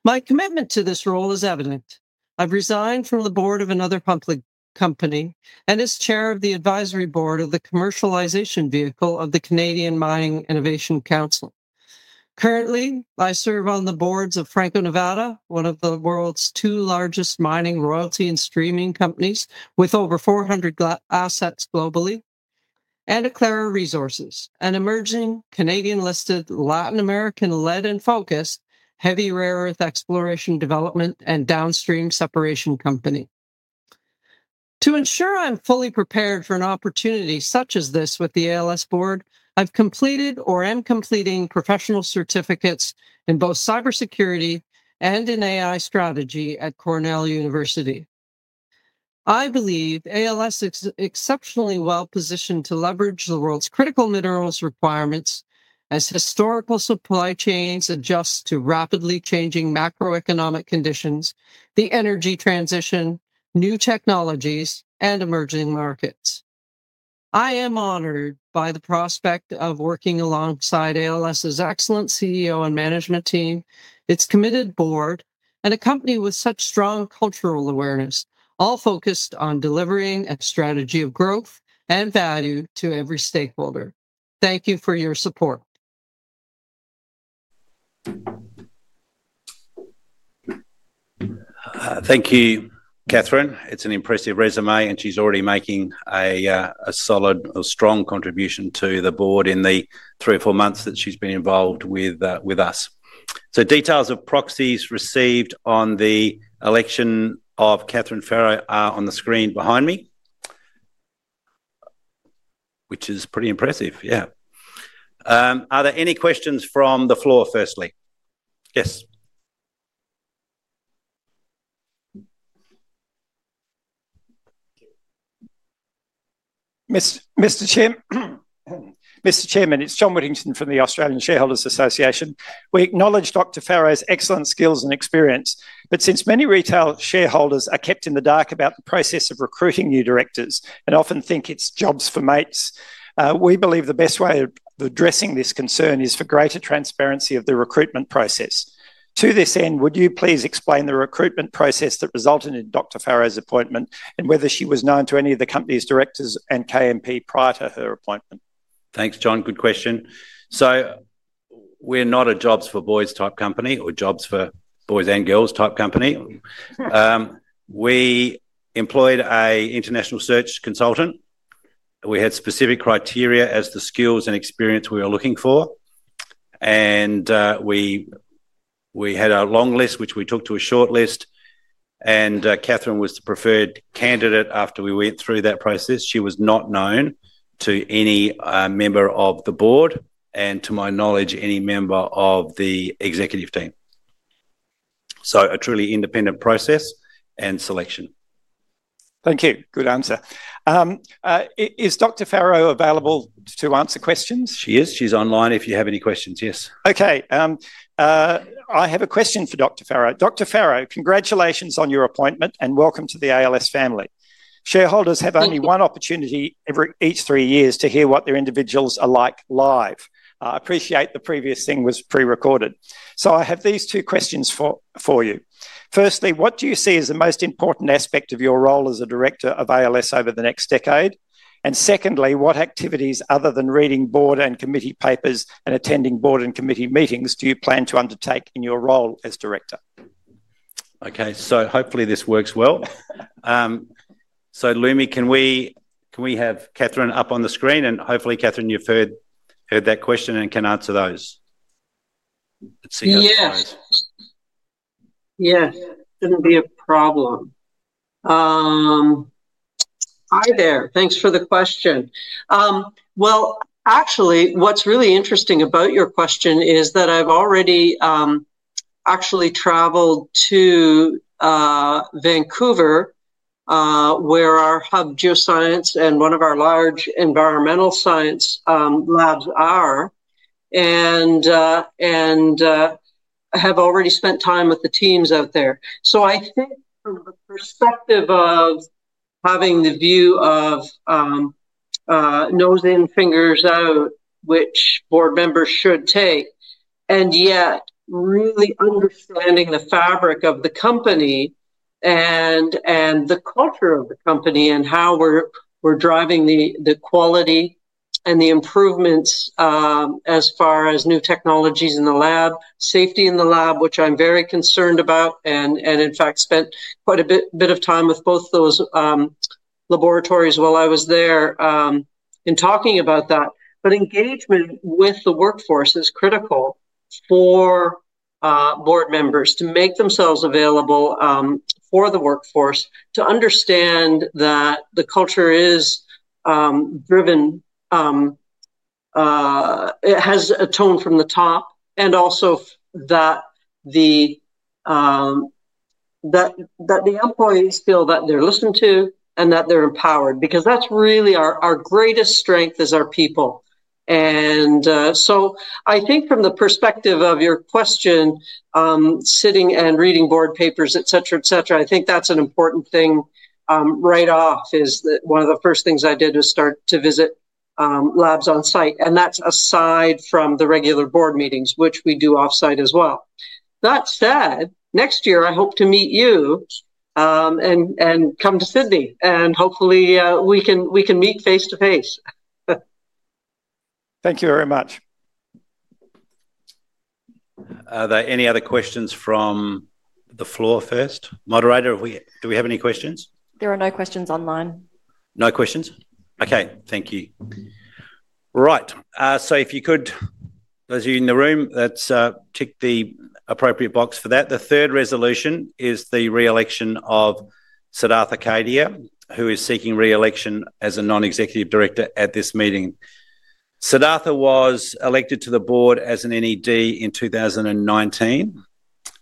My commitment to this role is evident. I've resigned from the board of another public company and as Chair of the Advisory Board of the Commercialization Vehicle of the Canadian Mining Innovation Council. Currently, I serve on the boards of Franco Nevada, one of the world's two largest mining royalty and streaming companies with over 400 assets globally, and Eclaira Resources, an emerging Canadian-listed Latin American-led and focused heavy rare earth exploration, development and downstream separation company to ensure I'm fully prepared for an opportunity such as this. With the ALS Board, I've completed or am completing professional certificates in both Cybersecurity and in AI strategy at Cornell University. I believe ALS is exceptionally well positioned to leverage the world's critical minerals requirements as historical supply chains adjust to rapidly changing macroeconomic conditions, the energy transition, new technologies and emerging markets. I am honored by the prospect of working alongside ALS's excellent CEO and management team, its committed board and a company with such strong cultural awareness, all focused on delivering a strategy of growth and value to every stakeholder. Thank you for your support. Thank you, Catharine. It's an impressive resume and she's already making a solid or strong contribution to the Board in the three or four months that she's been involved with us. Details of proxies received on the election of Catharine Farrow are on the screen behind me, which is pretty impressive. Are there any questions from the floor? Firstly, yes. Mr. Chairman, it's John Whittington from the Australian Shareholders Association. We acknowledge Dr. Farrow's excellent skills and experience. Since many retail shareholders are kept in the dark about the process of recruiting new directors and often think it's jobs for mates, we believe the best way of addressing this concern is for greater transparency of the recruitment process. To this end, would you please explain the recruitment process that resulted in Dr. Farrow's appointment and whether she was known to any of the company's directors and KMP prior to her appointment? Thanks, John. Good question. We're not a Jobs for Boys type company or Jobs for Boys and Girls type company. We employed an international search consultant. We had specific criteria as to the skills and experience we were looking for, and we had a long list which we took to a short list, and Catherine was the preferred candidate. After we went through that process, she was not known to any member of the Board and to my knowledge any member of the executive team. A truly independent process and selection. Thank you. Good answer. Is Dr. Farrow available to answer questions? She is online if you have any questions. Yes. Okay. I have a question for Dr. Farrow. Dr. Farrow, congratulations on your appointment and welcome to the ALS family. Shareholders have only one opportunity each three years to hear what their individuals are like when live. I appreciate the previous thing was pre-recorded. ALS Limited 2025 Annual General Meeting have these two questions for you. Firstly, what do you see as the most important aspect of your role as a Director of ALS over the next decade? Secondly, what activities, other than reading board and committee papers and attending board and committee meetings, do you plan to undertake in your role as Director? Okay, hopefully this works well. Lumi, can we have Catharine up on the screen, and hopefully Catharine, you've heard that question and can answer those. Let's see how. Yes, shouldn't be a problem. Hi there. Thanks for the question. What's really interesting about your question is that I've already actually traveled to Vancouver where our hub, Geoscience, and one of our large Environmental testing labs are and have already spent time with the teams out there. I think from the perspective of having the view of nose in, fingers out, which board members should take, and yet really understanding the fabric of the company and the culture of the company and how we're driving the quality and the improvements as far as new technologies in the lab, safety in the lab, which I'm very concerned about, I spent quite a bit of time with both those laboratories while I was there talking about that. Engagement with the workforce is critical for board members to make themselves available for the workforce to understand that the culture is driven, it has a tone from the top. Also, the employees feel that they're listened to and that they're empowered because that's really our greatest strength as our people. I think from the perspective of your question, sitting and reading board papers, et cetera, et cetera, I think that's an important thing right off is that one of the first things I did was start to visit labs on site. That's aside from the regular board meetings which we do off site as well. That said, next year I hope to meet you and come to Sydney and hopefully we can meet face to face. Thank you very much. Are there any other questions from the floor? First moderator, do we have any questions? There are no questions online. No questions. Okay, thank you. If you could, those of you in the room, let's tick the appropriate box for that. The third resolution is the re-election of Siddhartha Kadia, who is seeking re-election as a Non-Executive Director at this meeting. Siddhartha was elected to the board as an NED in 2019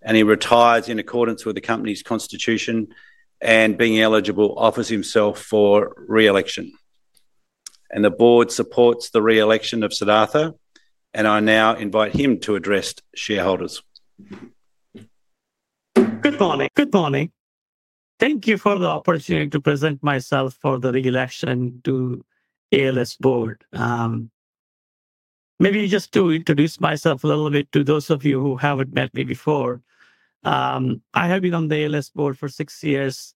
and he retires in accordance with the company's constitution and, being eligible, offers himself for re-election. The board supports the re-election of Siddhartha and I now invite him to address shareholders. Good morning. Good morning. Thank you for the opportunity to present myself for the re-election to the ALS board. Maybe just to introduce myself a little bit to those of you who haven't met me before. I have been on the ALS board for six years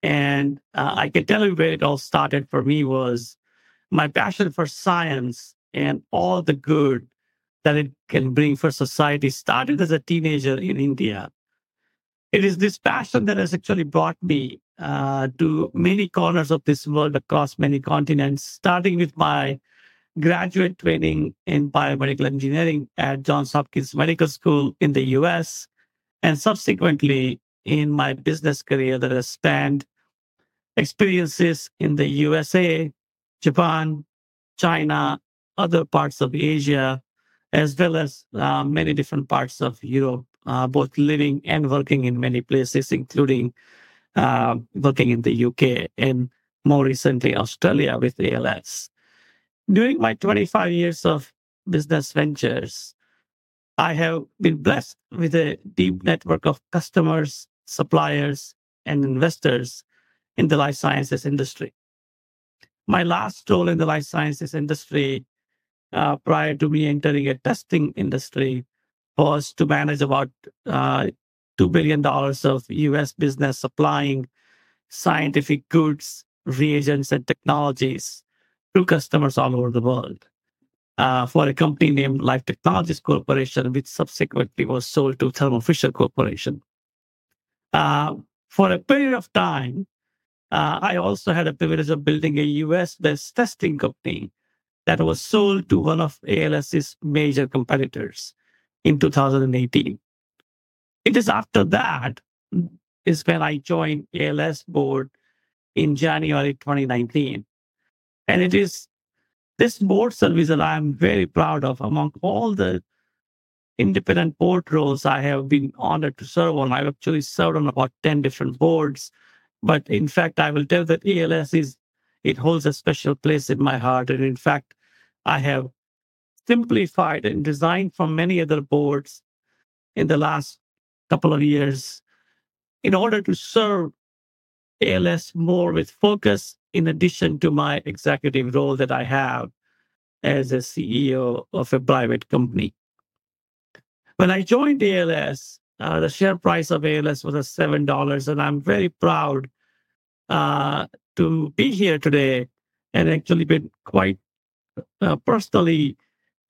and I can tell you where it all started for me was my passion for science and all the good that it can bring for society. Started as a teenager in India. It is this passion that has actually brought me to many corners of this world, across many continents, starting with my graduate training in biomedical engineering at Johns Hopkins Medical School in the U.S. and subsequently in my business career that I spent experiences in the U.S.A., Japan, China, other parts of Asia as well as many different parts of Europe, both living and working in many places including working in the U.K. and more recently Australia with ALS. During my 25 years of business ventures I have been blessed with a deep network of customers, suppliers and investors in the life sciences industry. My last role in the life sciences industry prior to me entering the testing industry was to manage about 2 billion dollars of U.S. business supplying scientific goods, reagents and technologies to customers all over the world for a company named Life Technologies Corporation which subsequently was sold to Thermo Fisher Corporation. For a period of time I also had the privilege of building a U.S.-based testing company that was sold to one of ALS's major competitors in 2018. It is after that is when I joined the ALS board in January 2019 and it is this board service that I am very proud of. Among all the independent board roles I have been honored to serve on, I've actually served on about 10 different boards. In fact, I will tell you that ALS holds a special place in my heart and in fact I have simplified and designed for many other boards in the last couple of years in order to serve ALS more with focus in addition to my executive role that I have as a CEO of a private company. When I joined ALS, the share price of ALS was 7 dollars and I'm very proud to be here today and actually been quite personally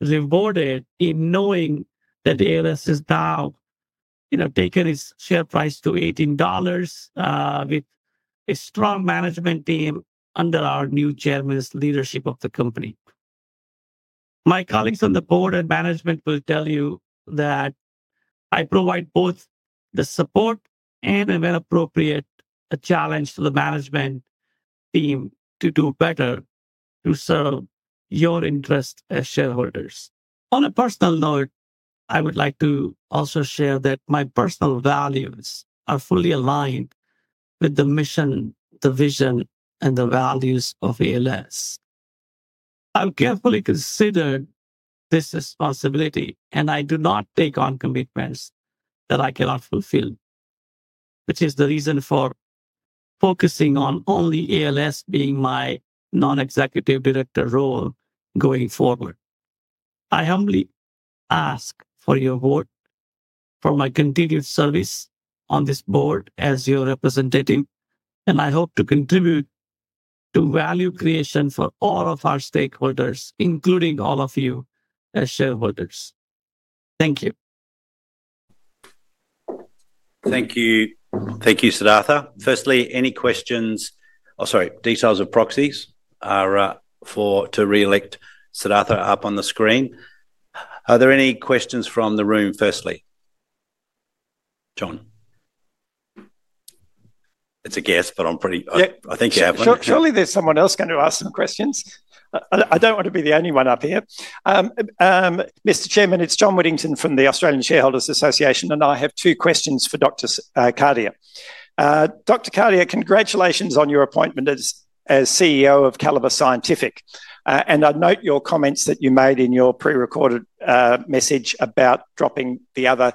rewarded in knowing that ALS has now taken its share price to 18 dollars with a strong management team under our new Chairman's leadership of the company. My colleagues on the board and management will tell you that I provide both the support and when appropriate challenge to the management team to do better to serve your interest as shareholders. On a personal note, I would like to also share that my personal values are fully aligned with the mission, the vision, and the values of ALS. I've carefully considered this responsibility and I do not take on commitments that I cannot fulfill, which is the reason for focusing on only ALS. Being my Non-Executive Director role going forward, I humbly ask for your vote for my continued service on this board as your representative, and I hope to contribute to value creation for all of our stakeholders, including all of you as shareholders. Thank you. Thank you. Thank you, Siddhartha. Firstly, any questions? Sorry. Details of proxies are for to re-elect Siddhartha up on the screen. Are there any questions from the room? Firstly, John, it's a guess, but I think you have one. Surely there's someone else going to ask some questions. I don't want to be the only one up here. Mr. Chairman, it's John Whittington from the Australian Shareholders Association and I have two questions for Dr. Catharine Farrow. Dr. Farrow, congratulations on your appointment as independent Non-Executive Director of ALS. I note your comments that you made in your prerecorded message about dropping the other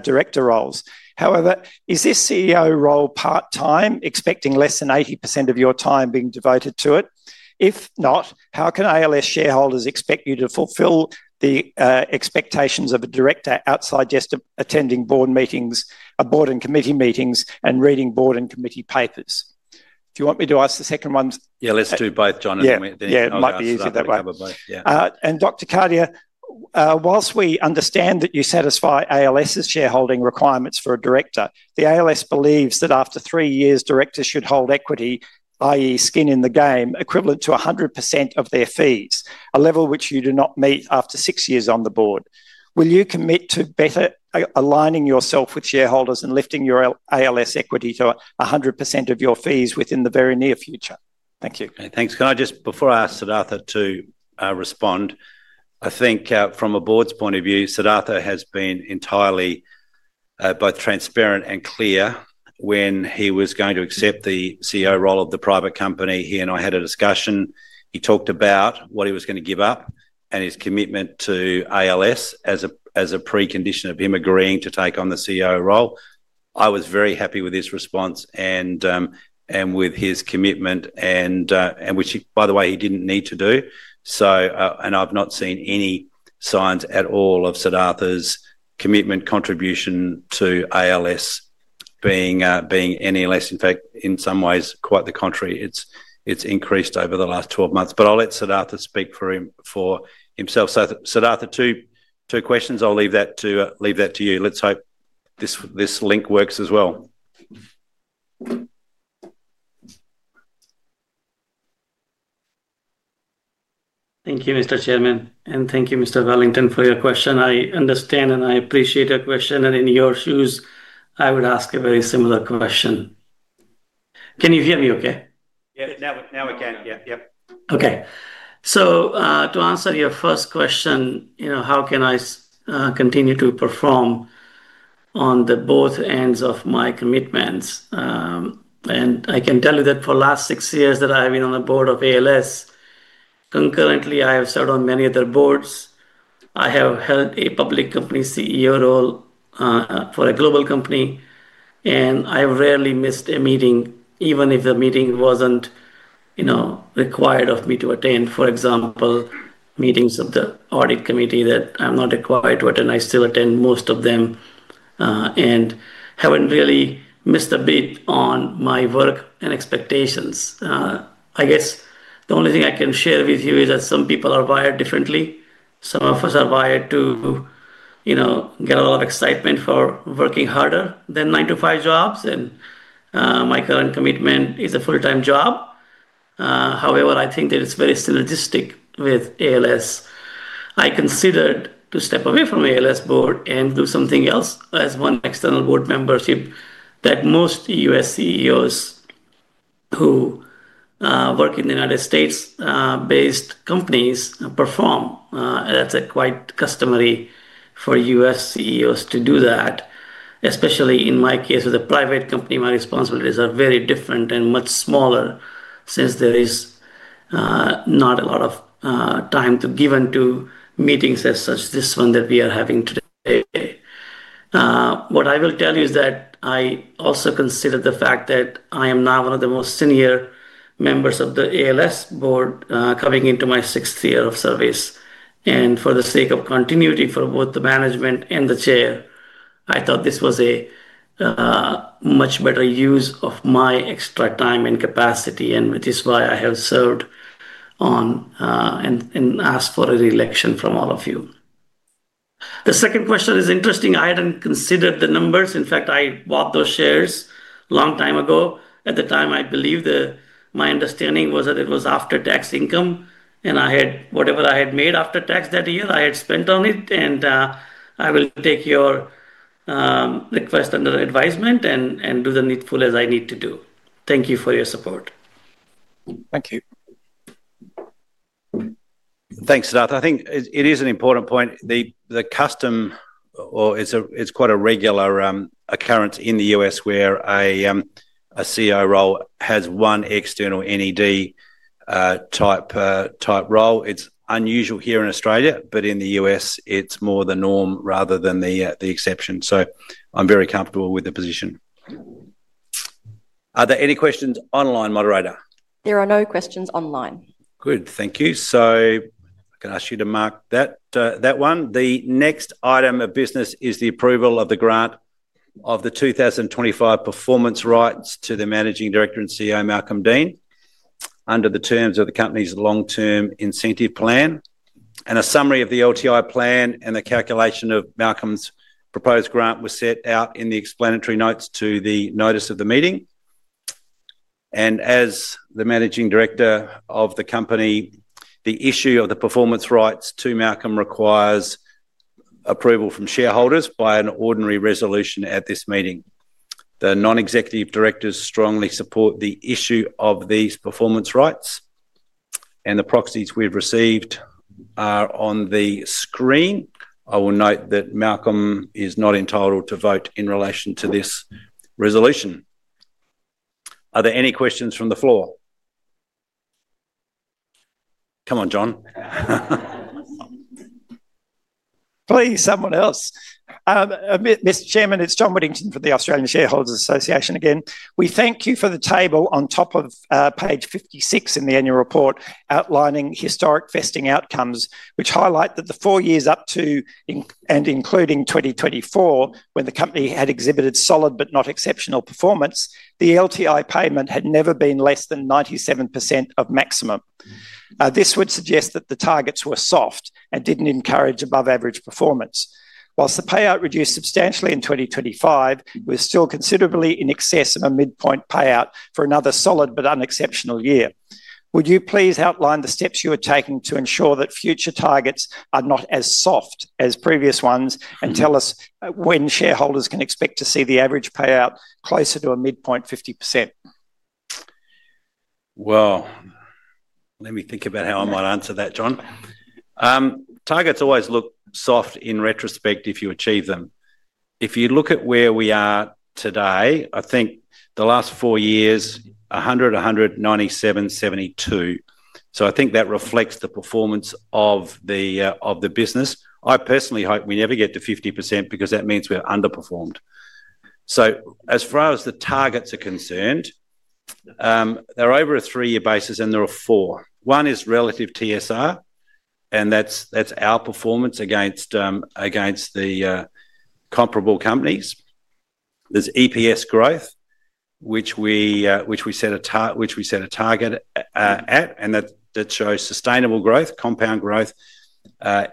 director roles. However, is this director role part time, expecting less than 80% of your time being devoted to it? If not, how can ALS shareholders expect you to fulfill the expectations of a director outside just attending board meetings, board and committee meetings, and reading board and committee papers? Do you want me to ask the second one? Yeah, let's do both. John. Yeah, it might be easier that way. Dr. Farrow, whilst we understand that you satisfy ALS's shareholding requirements for a director, ALS believes that after three years, directors should hold equity that is skin in the game, equivalent to 100% of their fees, a level which you do not meet. After six years on the board, will you commit to better aligning yourself with shareholders and lifting your ALS equity to 100% of your fees within the very near future? Thank you. Thanks. Before I ask Siddhartha to respond, I think from a Board's point of view, Siddhartha has been entirely both transparent and clear. When he was going to accept the CEO role of the private company, he and I had a discussion. He talked about what he was going to give up and his commitment to ALS as a precondition of him agreeing to take on the CEO role. I was very happy with his response and with his commitment, which, by the way, he didn't need to do. I've not seen any signs at all of Siddhartha's commitment, contribution to ALS being less. In fact, in some ways, quite the contrary. It's increased over the last 12 months. I'll let Siddhartha speak for himself. Siddhartha, two questions. I'll leave that to you. Let's hope this link works as well. Thank you, Mr. Chairman. Thank you, Mr. Wellington, for your question. I understand and I appreciate your question. In your shoes, I would ask a very similar question. Can you hear me okay? Yes, now I can. Yeah. Yep. Okay. To answer your first question, I know how I can continue to perform on both ends of my commitments. I can tell you that for the last six years that I have been on the board of ALS, concurrently, I have served on many other boards. I have held a public company CEO role for a global company, and I rarely missed a meeting. Even if the meeting wasn't required of me to attend, for example, meetings of the Audit Committee that I'm not required to attend, I still attend most of them and haven't really missed a bit on my work and expectations. I guess the only thing I can share with you is that some people are wired differently. Some of us are wired to get a lot of excitement from working harder than nine to five jobs, and my current commitment is a full-time job. However, I think that it's very synergistic with ALS. I considered stepping away from the ALS board and doing something else as one external board membership that most U.S. CEOs who work in United States-based companies perform. That's quite customary for U.S. CEOs to do that. Especially in my case with a private company, my responsibilities are very different and much smaller since there is not a lot of time to give into meetings as such. This one that we are having today, what I will tell you is that I also consider the fact that I am now one of the most senior members of the ALS board coming into my sixth year of service, and for the sake of continuity for both the management and the Chair, I thought this was a much better use of my extra time and capacity, which is why I have served on and asked for a re-election from all of you. The second question is interesting. I hadn't considered the numbers. In fact, I bought those shares a long time ago. At the time, I believe my understanding was that it was after-tax income, and I had whatever I had made after tax that year I had spent on it. I will take your request under advisement and do the needful as I need to do. Thank you for your support. Thank you. Thanks, Siddharth. I think it is an important point, the custom, or it's quite a regular occurrence in the U.S. where a CEO role has one external NED type role. It's unusual here in Australia, but in the U.S. it's more the norm rather than the exception. I'm very comfortable with the position. Are there any questions online? There are no questions online. Good, thank you. I can ask you to mark that one. The next item of business is the approval of the grant of the 2025 performance rights to the Managing Director and CEO Malcolm Deane under the terms of the company's long-term incentive plan, and a summary of the LTI plan and the calculation of Malcolm's proposed grant was set out in the explanatory notes to the notice of the meeting. As the Managing Director of the company, the issue of the performance rights to Malcolm requires approval from shareholders by an ordinary resolution at this meeting. The Non-Executive Directors strongly support the issue of these performance rights, and the proxies we've received are on the screen. I will note that Malcolm is not entitled to vote in relation to this resolution. Are there any questions from the floor? Come on John. Please. Someone else. Mr. Chairman, it's John Whittington for the Australian Shareholders Association. Again, we thank you for the table on top of page 56 in the annual report outlining historic vesting outcomes, which highlight that the four years up to and including 2024, when the company had exhibited solid but not exceptional performance, the LTI payment had never been less than 97% of maximum. This would suggest that the targets were soft and didn't encourage above average performance. Whilst the payout reduced substantially in 2025, we're still considerably in excess of a midpoint payout for another solid but unexceptional year. Would you please outline the steps you are taking to ensure that future targets are not as soft as previous ones and tell us when shareholders can expect to see the average payout closer to a midpoint 50%? Let me think about how I might answer that, John. Targets always look soft in retrospect if you achieve them. If you look at where we are today, I think the last four years, 100, 197, 72. I think that reflects the performance of the business or I personally hope we never get to 50% because that means we're underperformed. As far as the targets are concerned, they're over a three-year basis and there are four. One is relative TSR and that's our performance against the comparable companies. There's EPS growth which we set a target at, and that shows sustainable growth, compound growth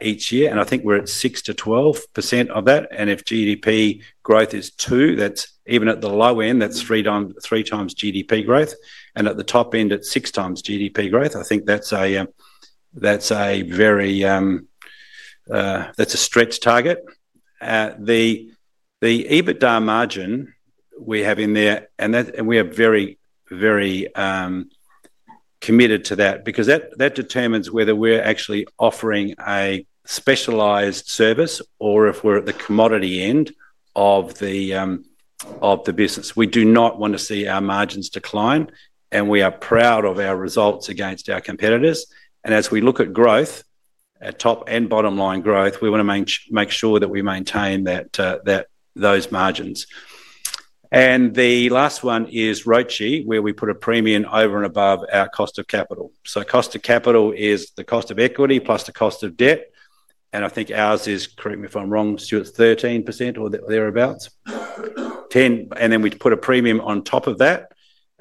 each year and I think we're at 6%-12% of that. If GDP growth is 2%, that's even at the low end that's 3x GDP growth and at the top end at 6x GDP growth. I think that's a very, that's a stretch target. The EBITDA margin we have in there and we are very, very committed to that because that determines whether we're actually offering a specialized service or if we're at the commodity end of the business. We do not want to see our margins decline and we are proud of our results against our competitors. As we look at growth at top and bottom line growth, we want to make sure that we maintain those margins. The last one is Roche, where we put a premium over and above our cost of capital. Cost of capital is the cost of equity plus the cost of debt. I think ours is, correct me if I'm wrong, Stuart, 13% or thereabouts, 10. Then we put a premium on top of that.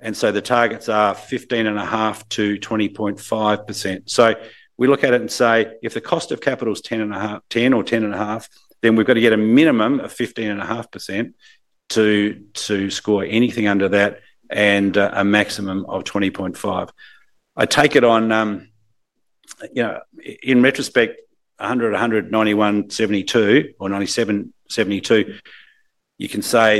The targets are 15.5%-20.5%. We look at it and say if the cost of capital is 10% or 10.5%, then we've got to get a minimum of 15.5% to score anything under that and a maximum of 20.5%. I take it on, you know, in retrospect, 100, 100, 91, 72 or 97, 72. You can say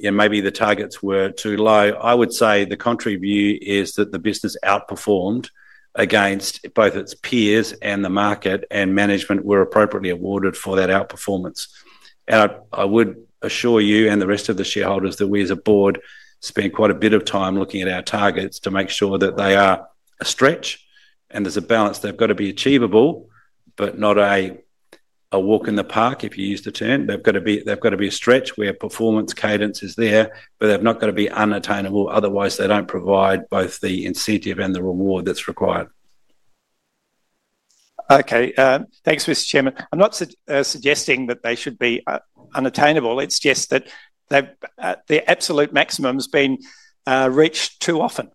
maybe the targets were too low. I would say the contrary view is that the business outperformed against both its peers and the market and management were appropriately awarded for that outperformance. I would assure you and the rest of the shareholders that we as a board spend quite a bit of time looking at our targets to make sure that they are a stretch and there's a balance. They've got to be achievable, but not a walk in the park, if you use the term. They've got to be a stretch where performance cadence is there, but they've not got to be unattainable. Otherwise they don't provide both the incentive and the reward that's required. Okay, thanks, Mr. Chairman. I'm not suggesting that they should be unattainable. It's just that the absolute maximum has been reached too often.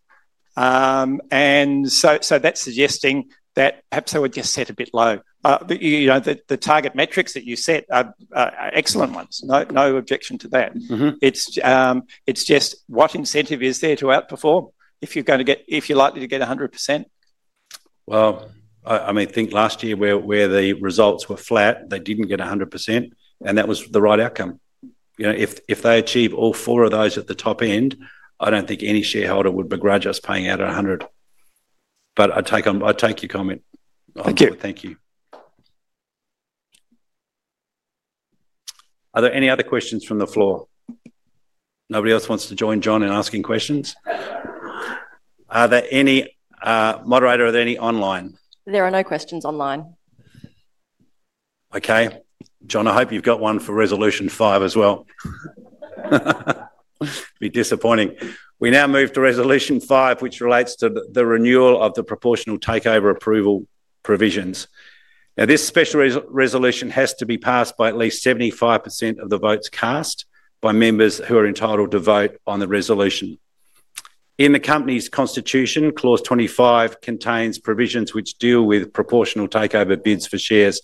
That suggests that perhaps they were just set a bit low. The target metrics that you set are excellent ones. No objection to that. It's just what incentive is there to outperform if you're likely to get 100%? I mean, think last year where the results were flat, they didn't get 100% and that was the right outcome. If they achieve all four of those at the top end, I don't think any shareholder would begrudge us paying out 100%. I take your comment. Thank you. Thank you. Are there any other questions from the floor? Nobody else wants to join John in asking questions. Are there any, moderator? Are there any online? There are no questions online. Okay, John, I hope you've got one for Resolution 5 as well. Be disappointing. We now move to Resolution 5, which relates to the renewal of the proportional takeover approval provisions. Now, this special resolution has to be passed by at least 75% of the votes cast by members who are entitled to vote on the resolution. In the company's constitution, clause 25 contains provisions which deal with proportional takeover bids for shares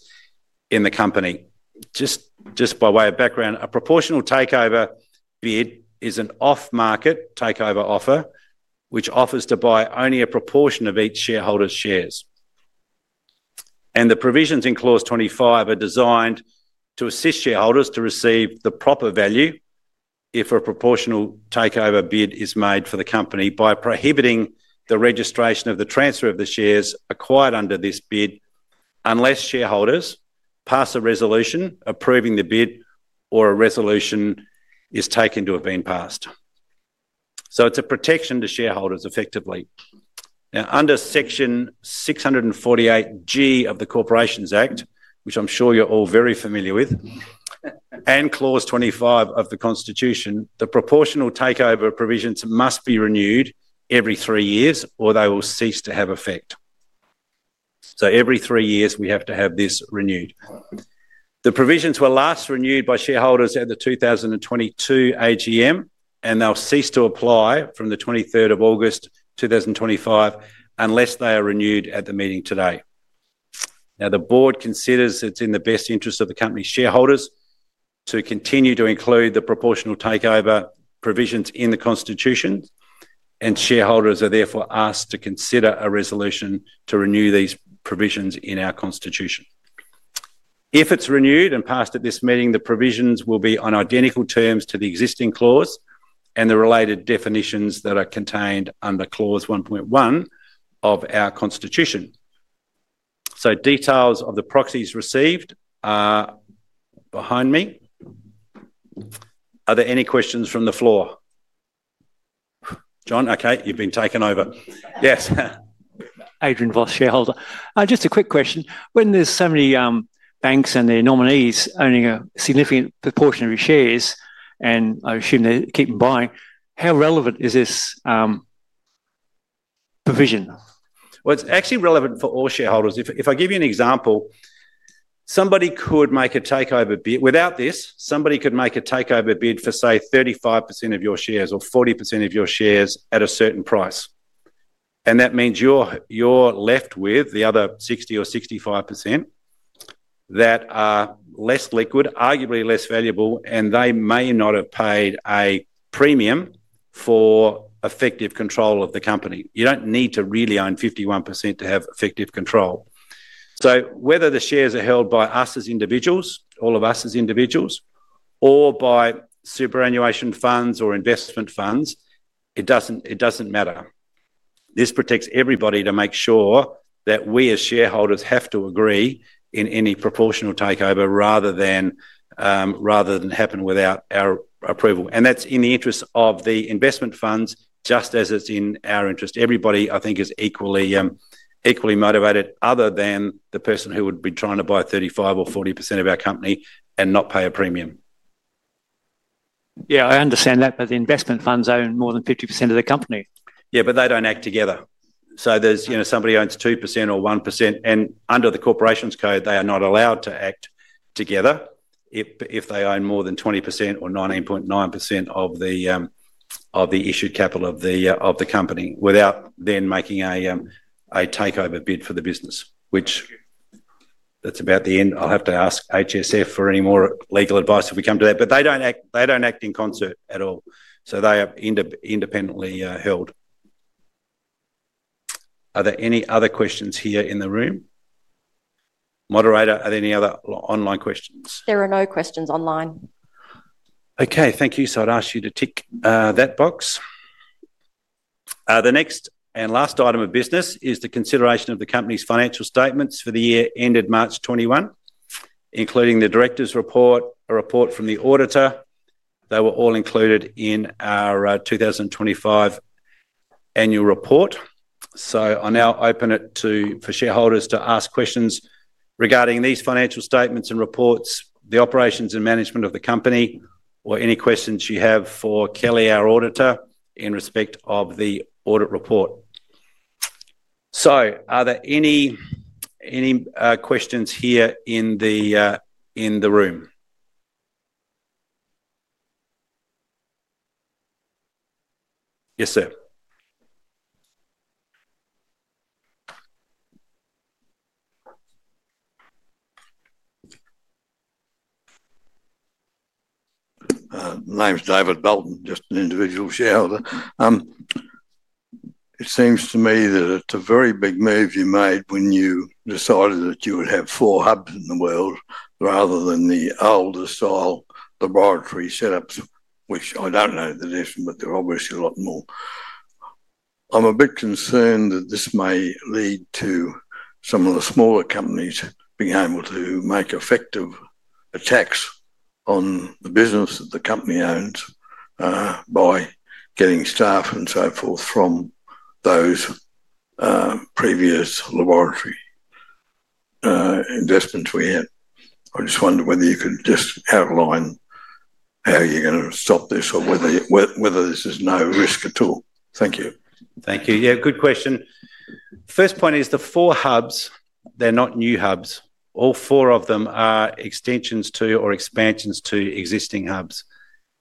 in the company. Just by way of background, a proportional takeover bid is an off market takeover offer which offers to buy only a proportion of each shareholder's shares. The provisions in clause 25 are designed to assist shareholders to receive the proper value if a proportional takeover bid is made for the company by prohibiting the registration of the transfer of the shares acquired under this bid unless shareholders pass a resolution approving the bid or a resolution is taken to have been passed. It's a protection to shareholders, effectively. Now, under section 648G of the Corporations Act, which I'm sure you're all very familiar with, and clause 25 of the constitution, the proportional takeover provisions must be renewed every three years or they will cease to have effect. Every three years we have to have this renewed. The provisions were last renewed by shareholders at the 2022 AGM and they'll cease to apply from 23 August 2025 unless they are renewed at the meeting today. The board considers it's in the best interest of the company's shareholders to continue to include the proportional takeover provisions in the constitution. Shareholders are therefore asked to consider a resolution to renew these provisions in our constitution. If it's renewed and passed at this meeting, the provisions will be on identical terms to the existing clause and the related definitions that are contained under clause 1.1 of our constitution. Details of the proxies received are behind me. Are there any questions from the floor? John? Okay, you've been taken over. Yes. [Adrian Voss], Shareholder. Just a quick question. When there's so many banks and their. Nominees owning a significant proportion of your shares, and I assume they keep buying. How relevant is this? Provision? It's actually relevant for all shareholders. If I give you an example, somebody could make a takeover bid without this. Somebody could make a takeover bid for, say, 35% of your shares or 40% of your shares at a certain price. That means you're left with the other 60% or 65% that are less liquid, arguably less valuable, and they may not have paid a premium for effective control of the company. You don't need to really own 51% to have effective control. Whether the shares are held by us as individuals, all of us as individuals, or by superannuation funds or investment funds, it doesn't matter. This protects everybody to make sure that we as shareholders have to agree in any proportional takeover rather than happen without our approval. That's in the interest of the investment funds, just as it's in our interest. Everybody, I think, is equally, equally motivated other than the person who would be trying to buy 35% or 40% of our company and not pay a premium. I understand that, but the investment funds own more than. 50% of the company. Yeah, but they don't act together. There's, you know, somebody owns 2% or 1%, and under the corporations code, they are not allowed to act together if they own more than 20% or 19.9% of the issued capital of the company without then making a takeover bid for the business, which is about the end. I'll have to ask HSF for any more legal advice if we come to that. They don't act in concert at all. They are independently held. Are there any other questions here in the room? Moderator, are there any other online questions? There are no questions online. Okay, thank you. I'd ask you to tick that box. The next and last item of business is the consideration of the company's financial statements for the year ended March 2021, including the Director's report and a report from the auditor. They were all included in our 2025 annual report. I now open it for shareholders to ask questions regarding these financial statements and reports, the operations and management of the company, or any questions you have for Kelly, our auditor, in respect of the audit report. Are there any questions here in the room? Yes, sir. My name is David Bolton, just an individual shareholder. It seems to me that it's a very big move you made when you decided that you would have four hubs in the world rather than the older style laboratory setups, which I don't know the difference, but they're obviously a lot more. I'm a bit concerned that this may lead to some of the smaller companies being able to make effective attacks on the business that the company owns by getting staff and so forth from those previous laboratory investments we had. I just wonder whether you could outline how you're going to stop this or whether this is no risk at all. Thank you. Thank you. Good question. First point is the four hubs, they're not new hubs. All four of them are extensions to or expansions to existing hubs.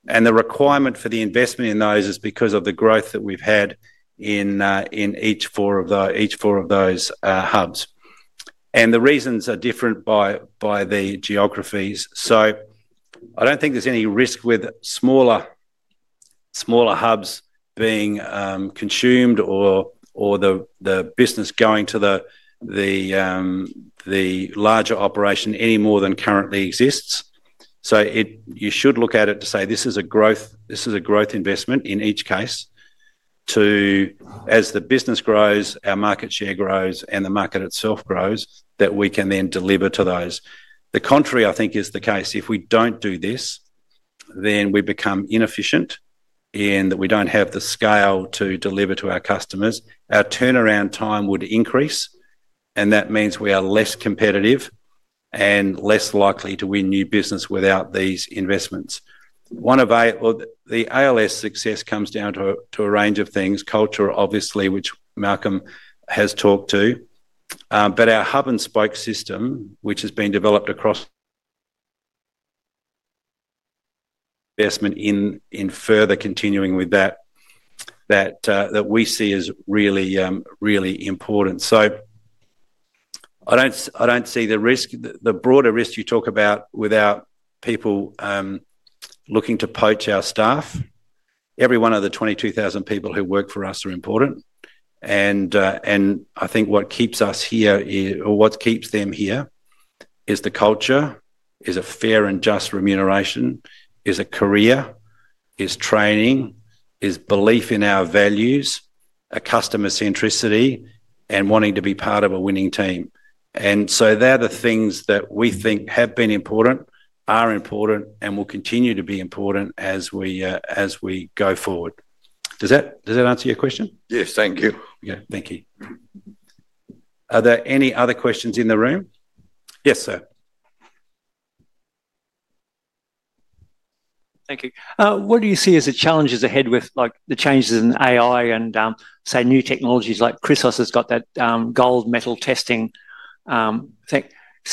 The requirement for the investment in those is because of the growth that we've had in each of those hubs. The reasons are different by the geographies. I don't think there's any risk with smaller hubs being consumed or the business going to the larger operation any more than currently exists. You should look at it to say this is a growth investment in each case. As the business grows, our market share grows and the market itself grows that we can then deliver to those. The contrary, I think, is the case. If we don't do this, then we become inefficient in that we don't have the scale to deliver to our customers. Our turnaround time would increase and that means we are less competitive and less likely to win new business without these investments. The ALS success comes down to a range of things. Culture, obviously, which Malcolm has talked to, but our hub and spoke system, which has been developed across investment in further continuing with that, that we see as really, really, really important. I don't see the risk, the broader risk you talk about without people looking to poach our staff. Every one of the 22,000 people who work for us are important. I think what keeps us here or what keeps them here is the culture, is a fair and just remuneration, is a career, is training, is belief in our values, a customer centricity, and wanting to be part of a winning team. They're the things that we think have been important, are important, and will continue to be important as we go forward. Does that answer your question? Yes. Thank you. Thank you. Are there any other questions in the room? Yes, sir. Thank you. What do you see as the challenges? Ahead with the changes in AI. New technologies like Chrysos have got that gold metal testing thing.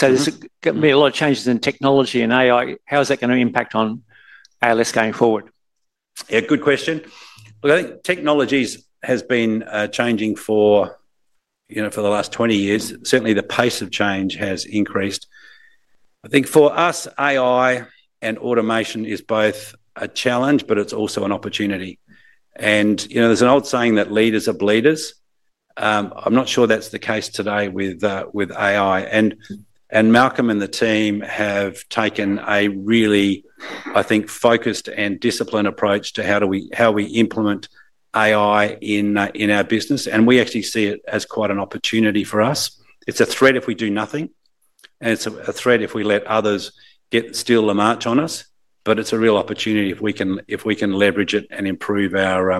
There is going to be a lot of changes in technology and AI. How is that going to impact on ALS going forward? Good question. I think technology has been changing for the last 20 years. Certainly, the pace of change has increased. I think for us, AI and automation is both a challenge, but it's also an opportunity. There is an old saying that leaders are bleeders. I'm not sure that's the case today with AI. Malcolm and the team have taken a really focused and disciplined approach to how we implement AI in our business. We actually see it as quite an opportunity for us. It's a threat if we do nothing and it's a threat if we let others steal the march on us. It's a real opportunity if we can leverage it and improve our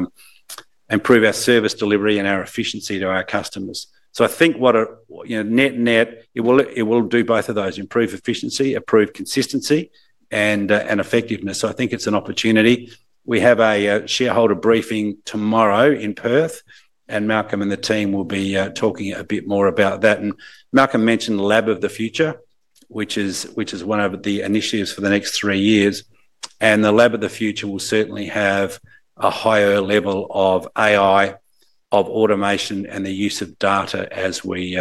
service delivery and our efficiency to our customers. I think net, it will do both of those: improve efficiency, improve consistency, and effectiveness. I think it's an opportunity. We have a shareholder briefing tomorrow in Perth and Malcolm and the team will be talking a bit more about that. Malcolm mentioned Lab of the Future, which is one of the initiatives for the next three years. The Lab of the Future will certainly have a higher level of AI, of automation, and the use of data as we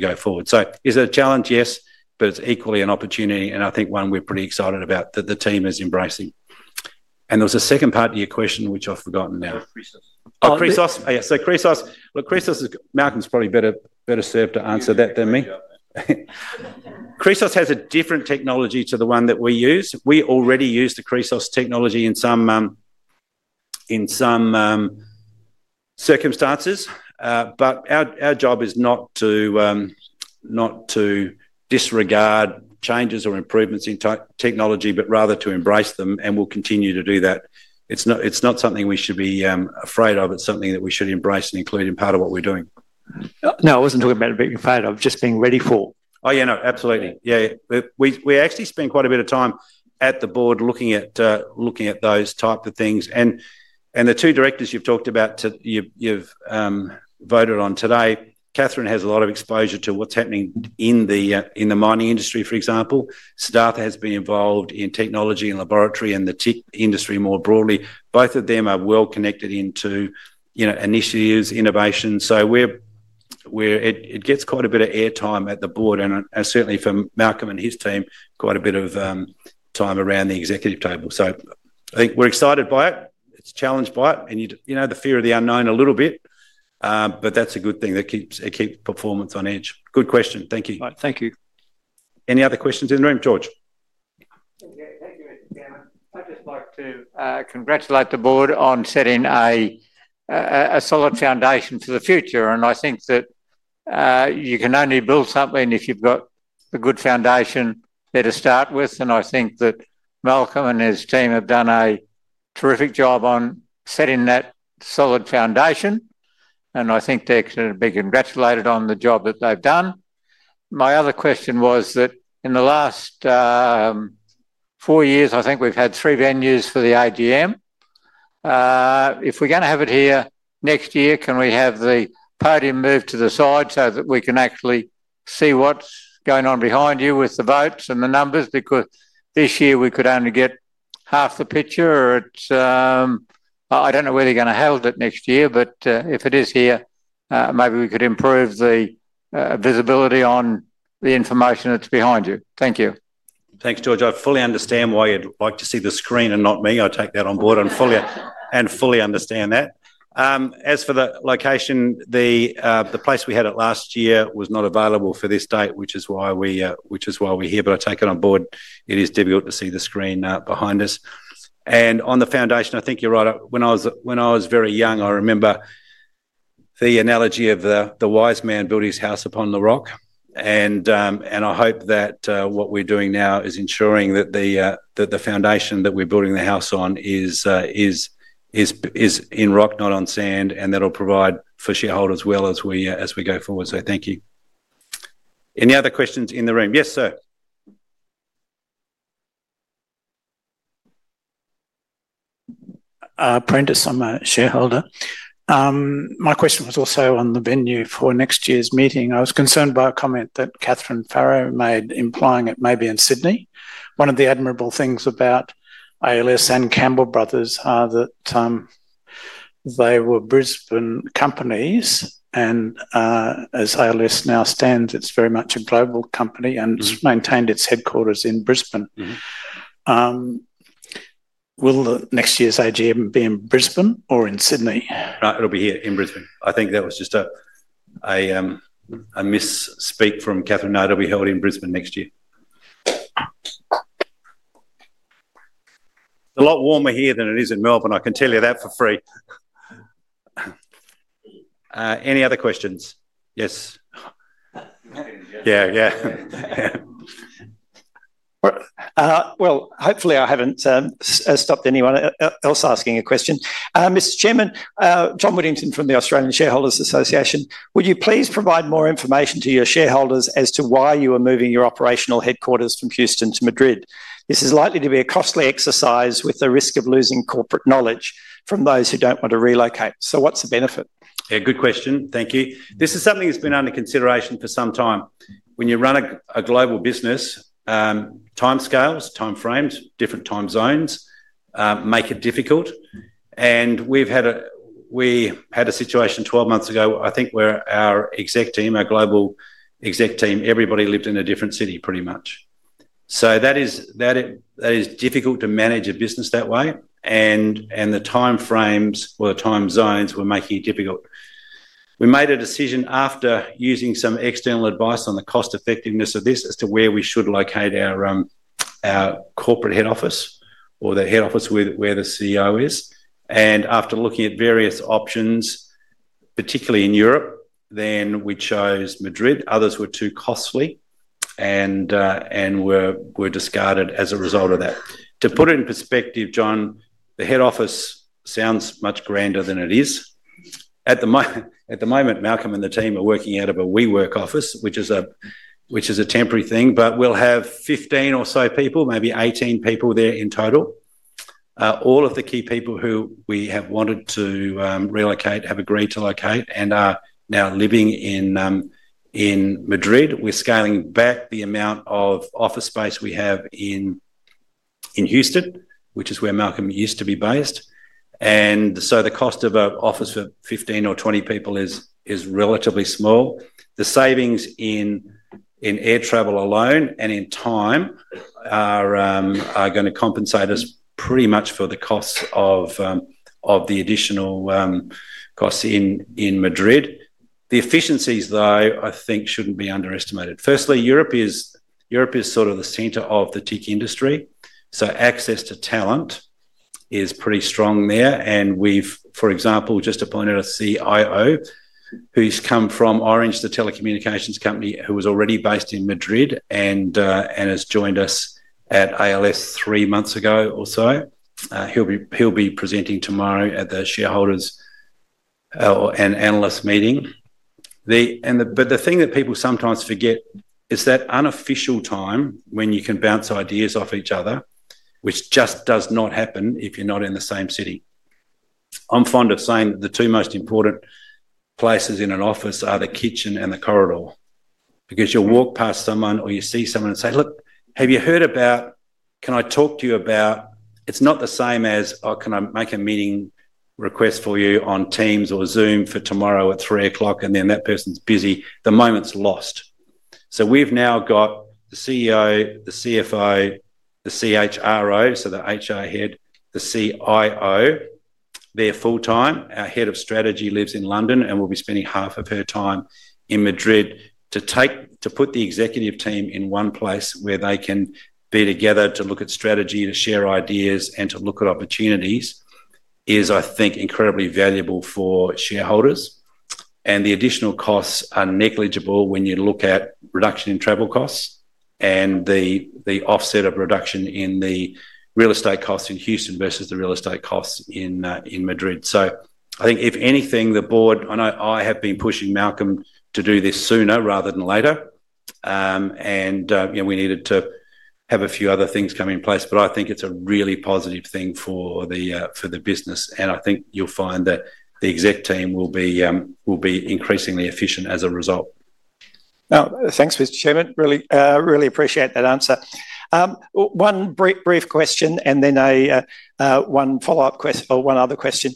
go forward. Is it a challenge? Yes, but it's equally an opportunity and I think one we're pretty excited about, that the team is embracing. There was a second part of your question which I've forgotten now. Chrysos, look, Malcolm's probably better served to answer that than me. Chrysos has a different technology to the one that we use. We already use the Chrysos technology in some circumstances, but our job is not to disregard changes or improvements in technology, but rather to embrace them and we'll continue to do that. It's not something we should be afraid of, it's something that we should embrace and include in part of what we're doing. No, I wasn't talking about being afraid of, just being ready for. Oh, yeah, no, absolutely, yeah. We actually spend quite a bit of time at the Board looking at those type of things. The two directors you've talked about, you've voted on today, Catharine has a lot of exposure to what's happening in the mining industry. For example, Siddhartha has been involved in technology and laboratory and the TIC industry more broadly. Both of them are well connected into, you know, initiatives, innovation. It gets quite a bit of airtime at the Board and certainly for Malcolm and his team, quite a bit of time around the executive table. I think we're excited by it, it's challenged by it and, you know, the fear of the unknown a little bit, but that's a good thing. That keeps it, keeps performance on edge. Good question. Thank you. Thank you. Any other questions in the room, George? Thank you, Mr. Chairman. I'd just like to congratulate the Board on setting a solid foundation for the future. I think that you can only build something if you've got a good foundation there to start with. I think that Malcolm and his team have done a terrific job on setting that solid foundation, and I think they can be congratulated on the job that they've done. My other question was that in the last four years, I think we've had three venues for the AGM. If we're going to have it here. Next year, can we have the podium moved to the side so that we can actually see what's going on behind you with the votes and the numbers? This year we could only get half the picture. I don't know where they're going to hold it next year, but if it is here, maybe we could improve the visibility on the information that's behind you. Thank you. Thanks, George. I fully understand why you'd like to see the screen and not me. I take that on board and fully understand that. As for the location, the place we had it last year was not available for this date, which is why we're here. I take it on board it is difficult to see the screen behind us and on the foundation. I think you're right. When I was very young, I remember the analogy of the wise man built his house upon the rock. I hope that what we're doing now is ensuring that the foundation that we're building the house on is in rock, not on sand. That'll provide for shareholders well as we go forward. Thank you. Any other questions in the room? Yes, sir. Apprentice. I'm a shareholder. My question was also on the venue. For next year's meeting. I was concerned by a comment that Catharine Farrow made implying it may be in Sydney. One of the admirable things about ALS and Campbell Brothers are that they were Brisbane companies. As ALS now stands, it's very much a global company and maintained its headquarters in Brisbane. Will the next year's AGM be in? Brisbane or in Sydney? No, it'll be here in Brisbane. I think that was just a misspeak from Catharine. Next year we held in Brisbane. A lot warmer here than it is in Melbourne. I can tell you that for free. Any other questions? Yes. Yeah. Hopefully I haven't stopped anyone else asking a question. Mr. Chairman, John Whittington from the Australian Shareholders Association. Would you please provide more information to your shareholders as to why you are moving your operational headquarters from Houston to Madrid? This is likely to be a costly exercise with the risk of losing corporate knowledge from those who don't want to relocate. What's the benefit? Yeah, good question. Thank you. This is something that's been under consideration for some time. When you run a global business, timescales, time frames, different time zones make it difficult. We had a situation 12 months ago, I think, where our exec team, our global exec team, everybody lived in a different city pretty much. That is difficult to manage a business that way, and the time frames or the time zones were making it difficult. We made a decision after using some external advice on the cost effectiveness of this, as to where we should locate our corporate head office or the head office where the CEO is. After looking at various options, particularly in Europe, we chose Madrid. Others were too costly and were discarded as a result of that. To put it in perspective, John, the head office sounds much grander than it is at the moment. Malcolm and the team are working out of a WeWork office, which is a temporary thing, but we'll have 15 or so people, maybe 18 people there in total. All of the key people who we have wanted to relocate have agreed to locate and are now living in Madrid. We're scaling back the amount of office space we have in Houston, which is where Malcolm used to be based. The cost of an office for 15 or 20 people is relatively small. The savings in air travel alone and in time are going to compensate us pretty much for the cost of the additional costs in Madrid. The efficiencies, though, I think shouldn't be underestimated. Firstly, Europe is sort of the center of the TIC industry, so access to talent is pretty strong there. We've, for example, just appointed a CIO who's come from Orange, the telecommunications company, who was already based in Madrid and has joined us at ALS three months ago or so. He'll be presenting tomorrow at the shareholders or an analyst meeting. The thing that people sometimes forget is that unofficial time when you can bounce ideas off each other, which just does not happen if you're not in the same city. I'm fond of saying the two most important places in an office are the kitchen and the corridor, because you'll walk past someone or you see someone and say, look, have you heard about, can I talk to you about. It's not the same as can I make a meeting request for you on Teams or Zoom for tomorrow at 3:00 P.M. and then that person's busy, the moment's lost. We've now got the CEO, the CFO, the CHRO. The HR Head, the CIO, they're full time. Our Head of Strategy lives in London and will be spending half of her time in Madrid to put the executive team in one place where they can be together to look at strategy, to share ideas, and to look at opportunities is, I think, incredibly valuable for shareholders. The additional costs are negligible when you look at reduction in travel costs and the offset of reduction in the real estate costs in Houston versus the real estate costs in Madrid. I think if anything, the Board—I know I have been pushing Malcolm to do this sooner rather than later and we needed to have a few other things come in place. I think it's a really positive thing for the business and I think you'll find that the exec team will be increasingly efficient as a result. Now thanks Mr. Chairman, really, really appreciate that. Answer one brief question and then one follow up question or one other question.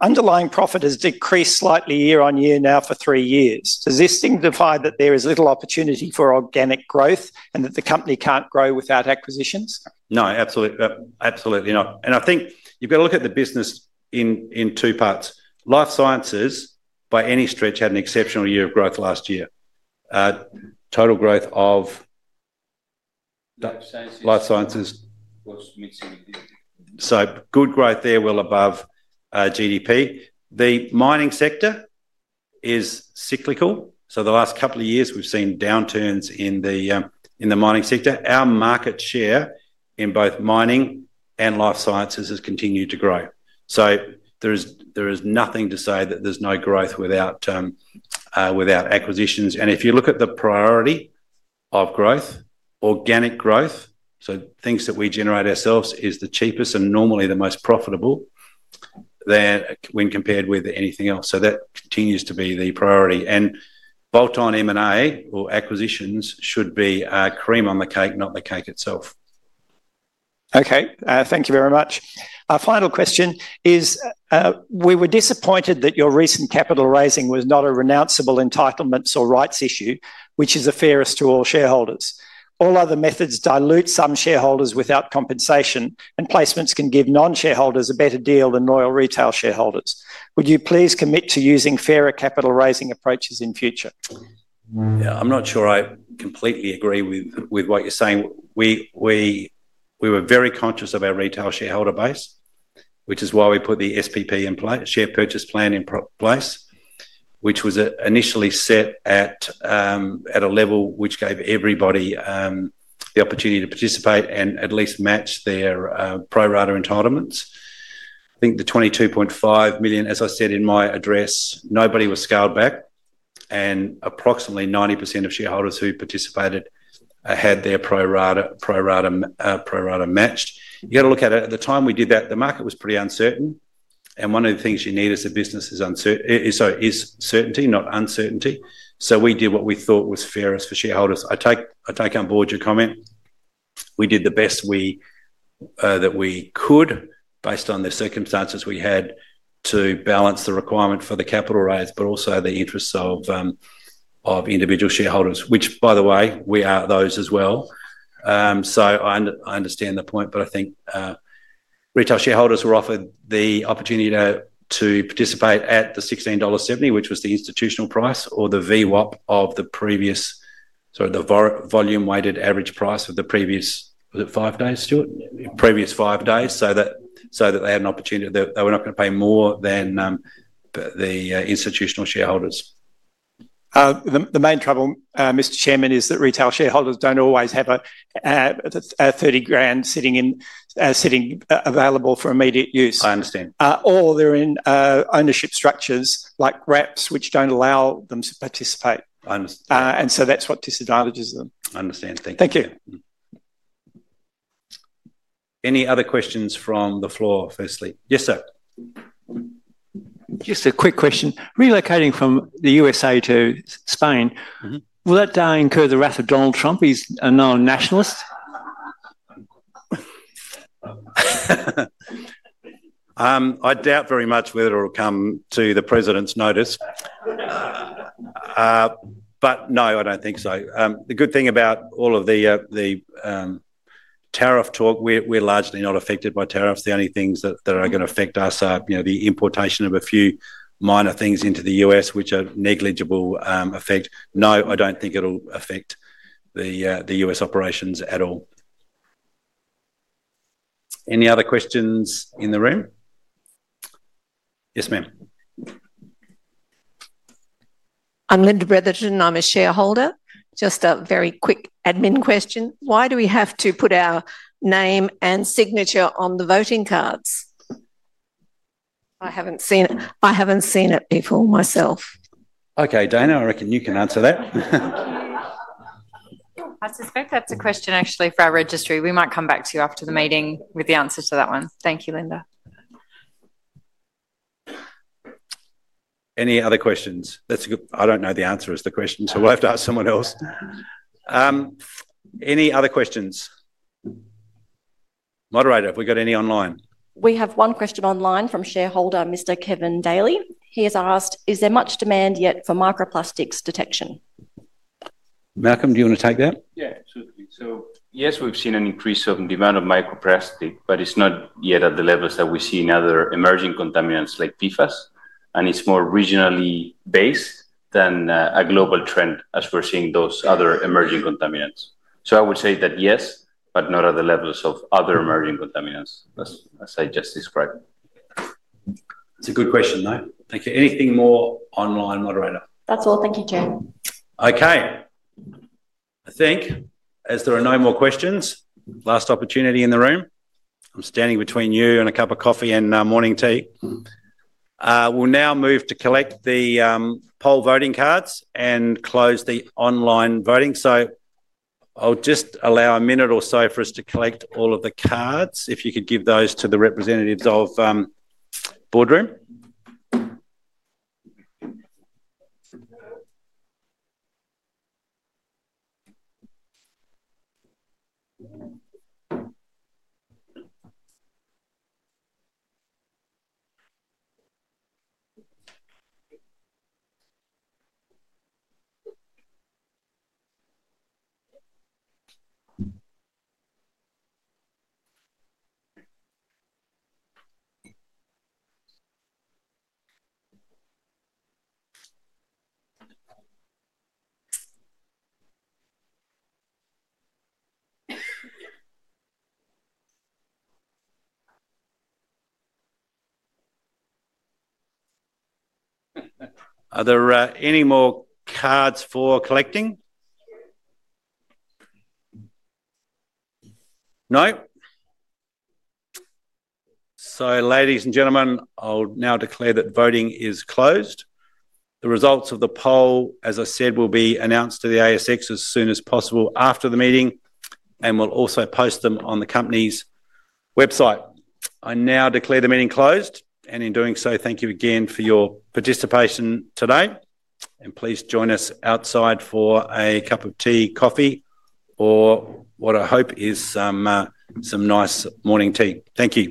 Underlying profit has decreased slightly year on year now for three years. Does this signify that there is little opportunity for organic and that the company can't grow without acquisitions? No, absolutely, absolutely not. I think you've got to look at the business in two parts. Life Sciences by any stretch had an exceptional year of growth last year. Total growth of Life Sciences, so good growth there, well above GDP. The mining sector is cyclical. The last couple of years we've seen downturns in the mining sector. Our market share in both mining and Life Sciences has continued to grow. There is nothing to say that there's no growth without acquisitions. If you look at the priority of growth, organic growth, things that we generate ourselves, is the cheapest and normally the most profitable when compared with anything else. That continues to be the priority, and bolt-on M&A or acquisitions should be cream on the cake, not the cake itself. Okay, thank you very much. Our final question is we were disappointed that your recent capital raising was not a renounceable entitlements or rights issue, which is the fairest to all shareholders. All other methods dilute some shareholders without compensation, and placements can give non shareholders a better deal than loyal retail shareholders. Would you please commit to using fairer capital raising approaches in future? I'm not sure I completely agree with what you're saying. We were very conscious of our retail shareholder base, which is why we put the SPP in place, share purchase plan in place, which was initially set at a level which gave everybody the opportunity to participate and at least match their pro rata entitlements. I think the 22.5 million, as I said in my address, nobody was scaled back and approximately 90% of shareholders who participated had their pro rata matched. You got to look at it at the time we did that, the market was pretty uncertain and one of the things you need as a business is certainty, not uncertainty. We did what we thought was fairest for shareholders. I take on board your comment. We did the best that we could based on the circumstances. We had to balance the requirement for the capital raise, but also the interests of individual shareholders, which, by the way, we are those as well. I understand the point, but I think retail shareholders were offered the opportunity to participate at the 16.70 dollar, which was the institutional price or the VWAP of the previous—sorry, the volume weighted average price of the previous—was it five days, Stuart? Previous five days. They had an opportunity. They were not going to pay more than the institutional shareholders. The main trouble, Mr. Chairman, is that retail shareholders don't always have 30,000 sitting available for immediate use. I understand. They're in ownership structures like RAPs, which don't allow them to participate, and that's what disadvantages them. I understand. Thank you. Thank you. Any other questions from the floor? Firstly, yes, sir, just a quick question. Relocating from the U.S.A. to Spain, will that incur the wrath of Donald Trump? He's a non-nationalist. I doubt very much whether it will come to the President's notice, but no, I don't think so. The good thing about all of the tariff talk, we're largely not affected by tariffs. The only things that are going to affect us are the importation of a few minor things into the U.S., which are negligible effect. No, I don't think it'll affect the U.S. operations at all. Any other questions in the room? Yes, ma'am. I'm [Linda Bretherton], I'm a shareholder. Just a very quick admin question. Why do we have to put our name and signature on the voting cards? I haven't seen it. I haven't seen it before myself. Okay, Linda, I reckon you can answer that. I suspect that's a question actually for our registry. We might come back to you after the meeting with the answer to that one. Thank you, Linda. Any other questions? That's a good question. I don't know the answer to the question, so we'll have to ask someone else. Any other questions? Moderator, have we got any online? We have one question online from shareholder Mr. [Kevin Daly]. He has asked, is there much demand yet for microplastics detection? Malcolm, do you want to take that? Yeah, absolutely. Yes, we've seen an increase of demand of microporastic, but it's not yet at the levels that we see in other emerging contaminants like PFAS. It's more regionally based than a global trend as we're seeing those other emerging contaminants. I would say that yes, but not at the levels of other emerging. Contaminants as I just described. It's a good question. Thank you. Anything more online, Moderator? That's all, thank you, Chair. Okay, I think as there are no more questions, last opportunity in the room. I'm standing between you and a cup of coffee and morning tea. We'll now move to collect the poll voting cards and close the online voting. I'll just allow a minute or so for us to collect all of the cards. If you could give those to the representatives of Boardroom. Are there any more cards for collecting? No. Ladies and gentlemen, I'll now declare that voting is closed. The results of the poll, as I said, will be announced to the ASX as soon as possible after the meeting, and we'll also post them on the company's website. I now declare the meeting closed and in doing so, thank you again for your participation today and please join us outside for a cup of tea, coffee, or what I hope is some nice morning tea. Thank you.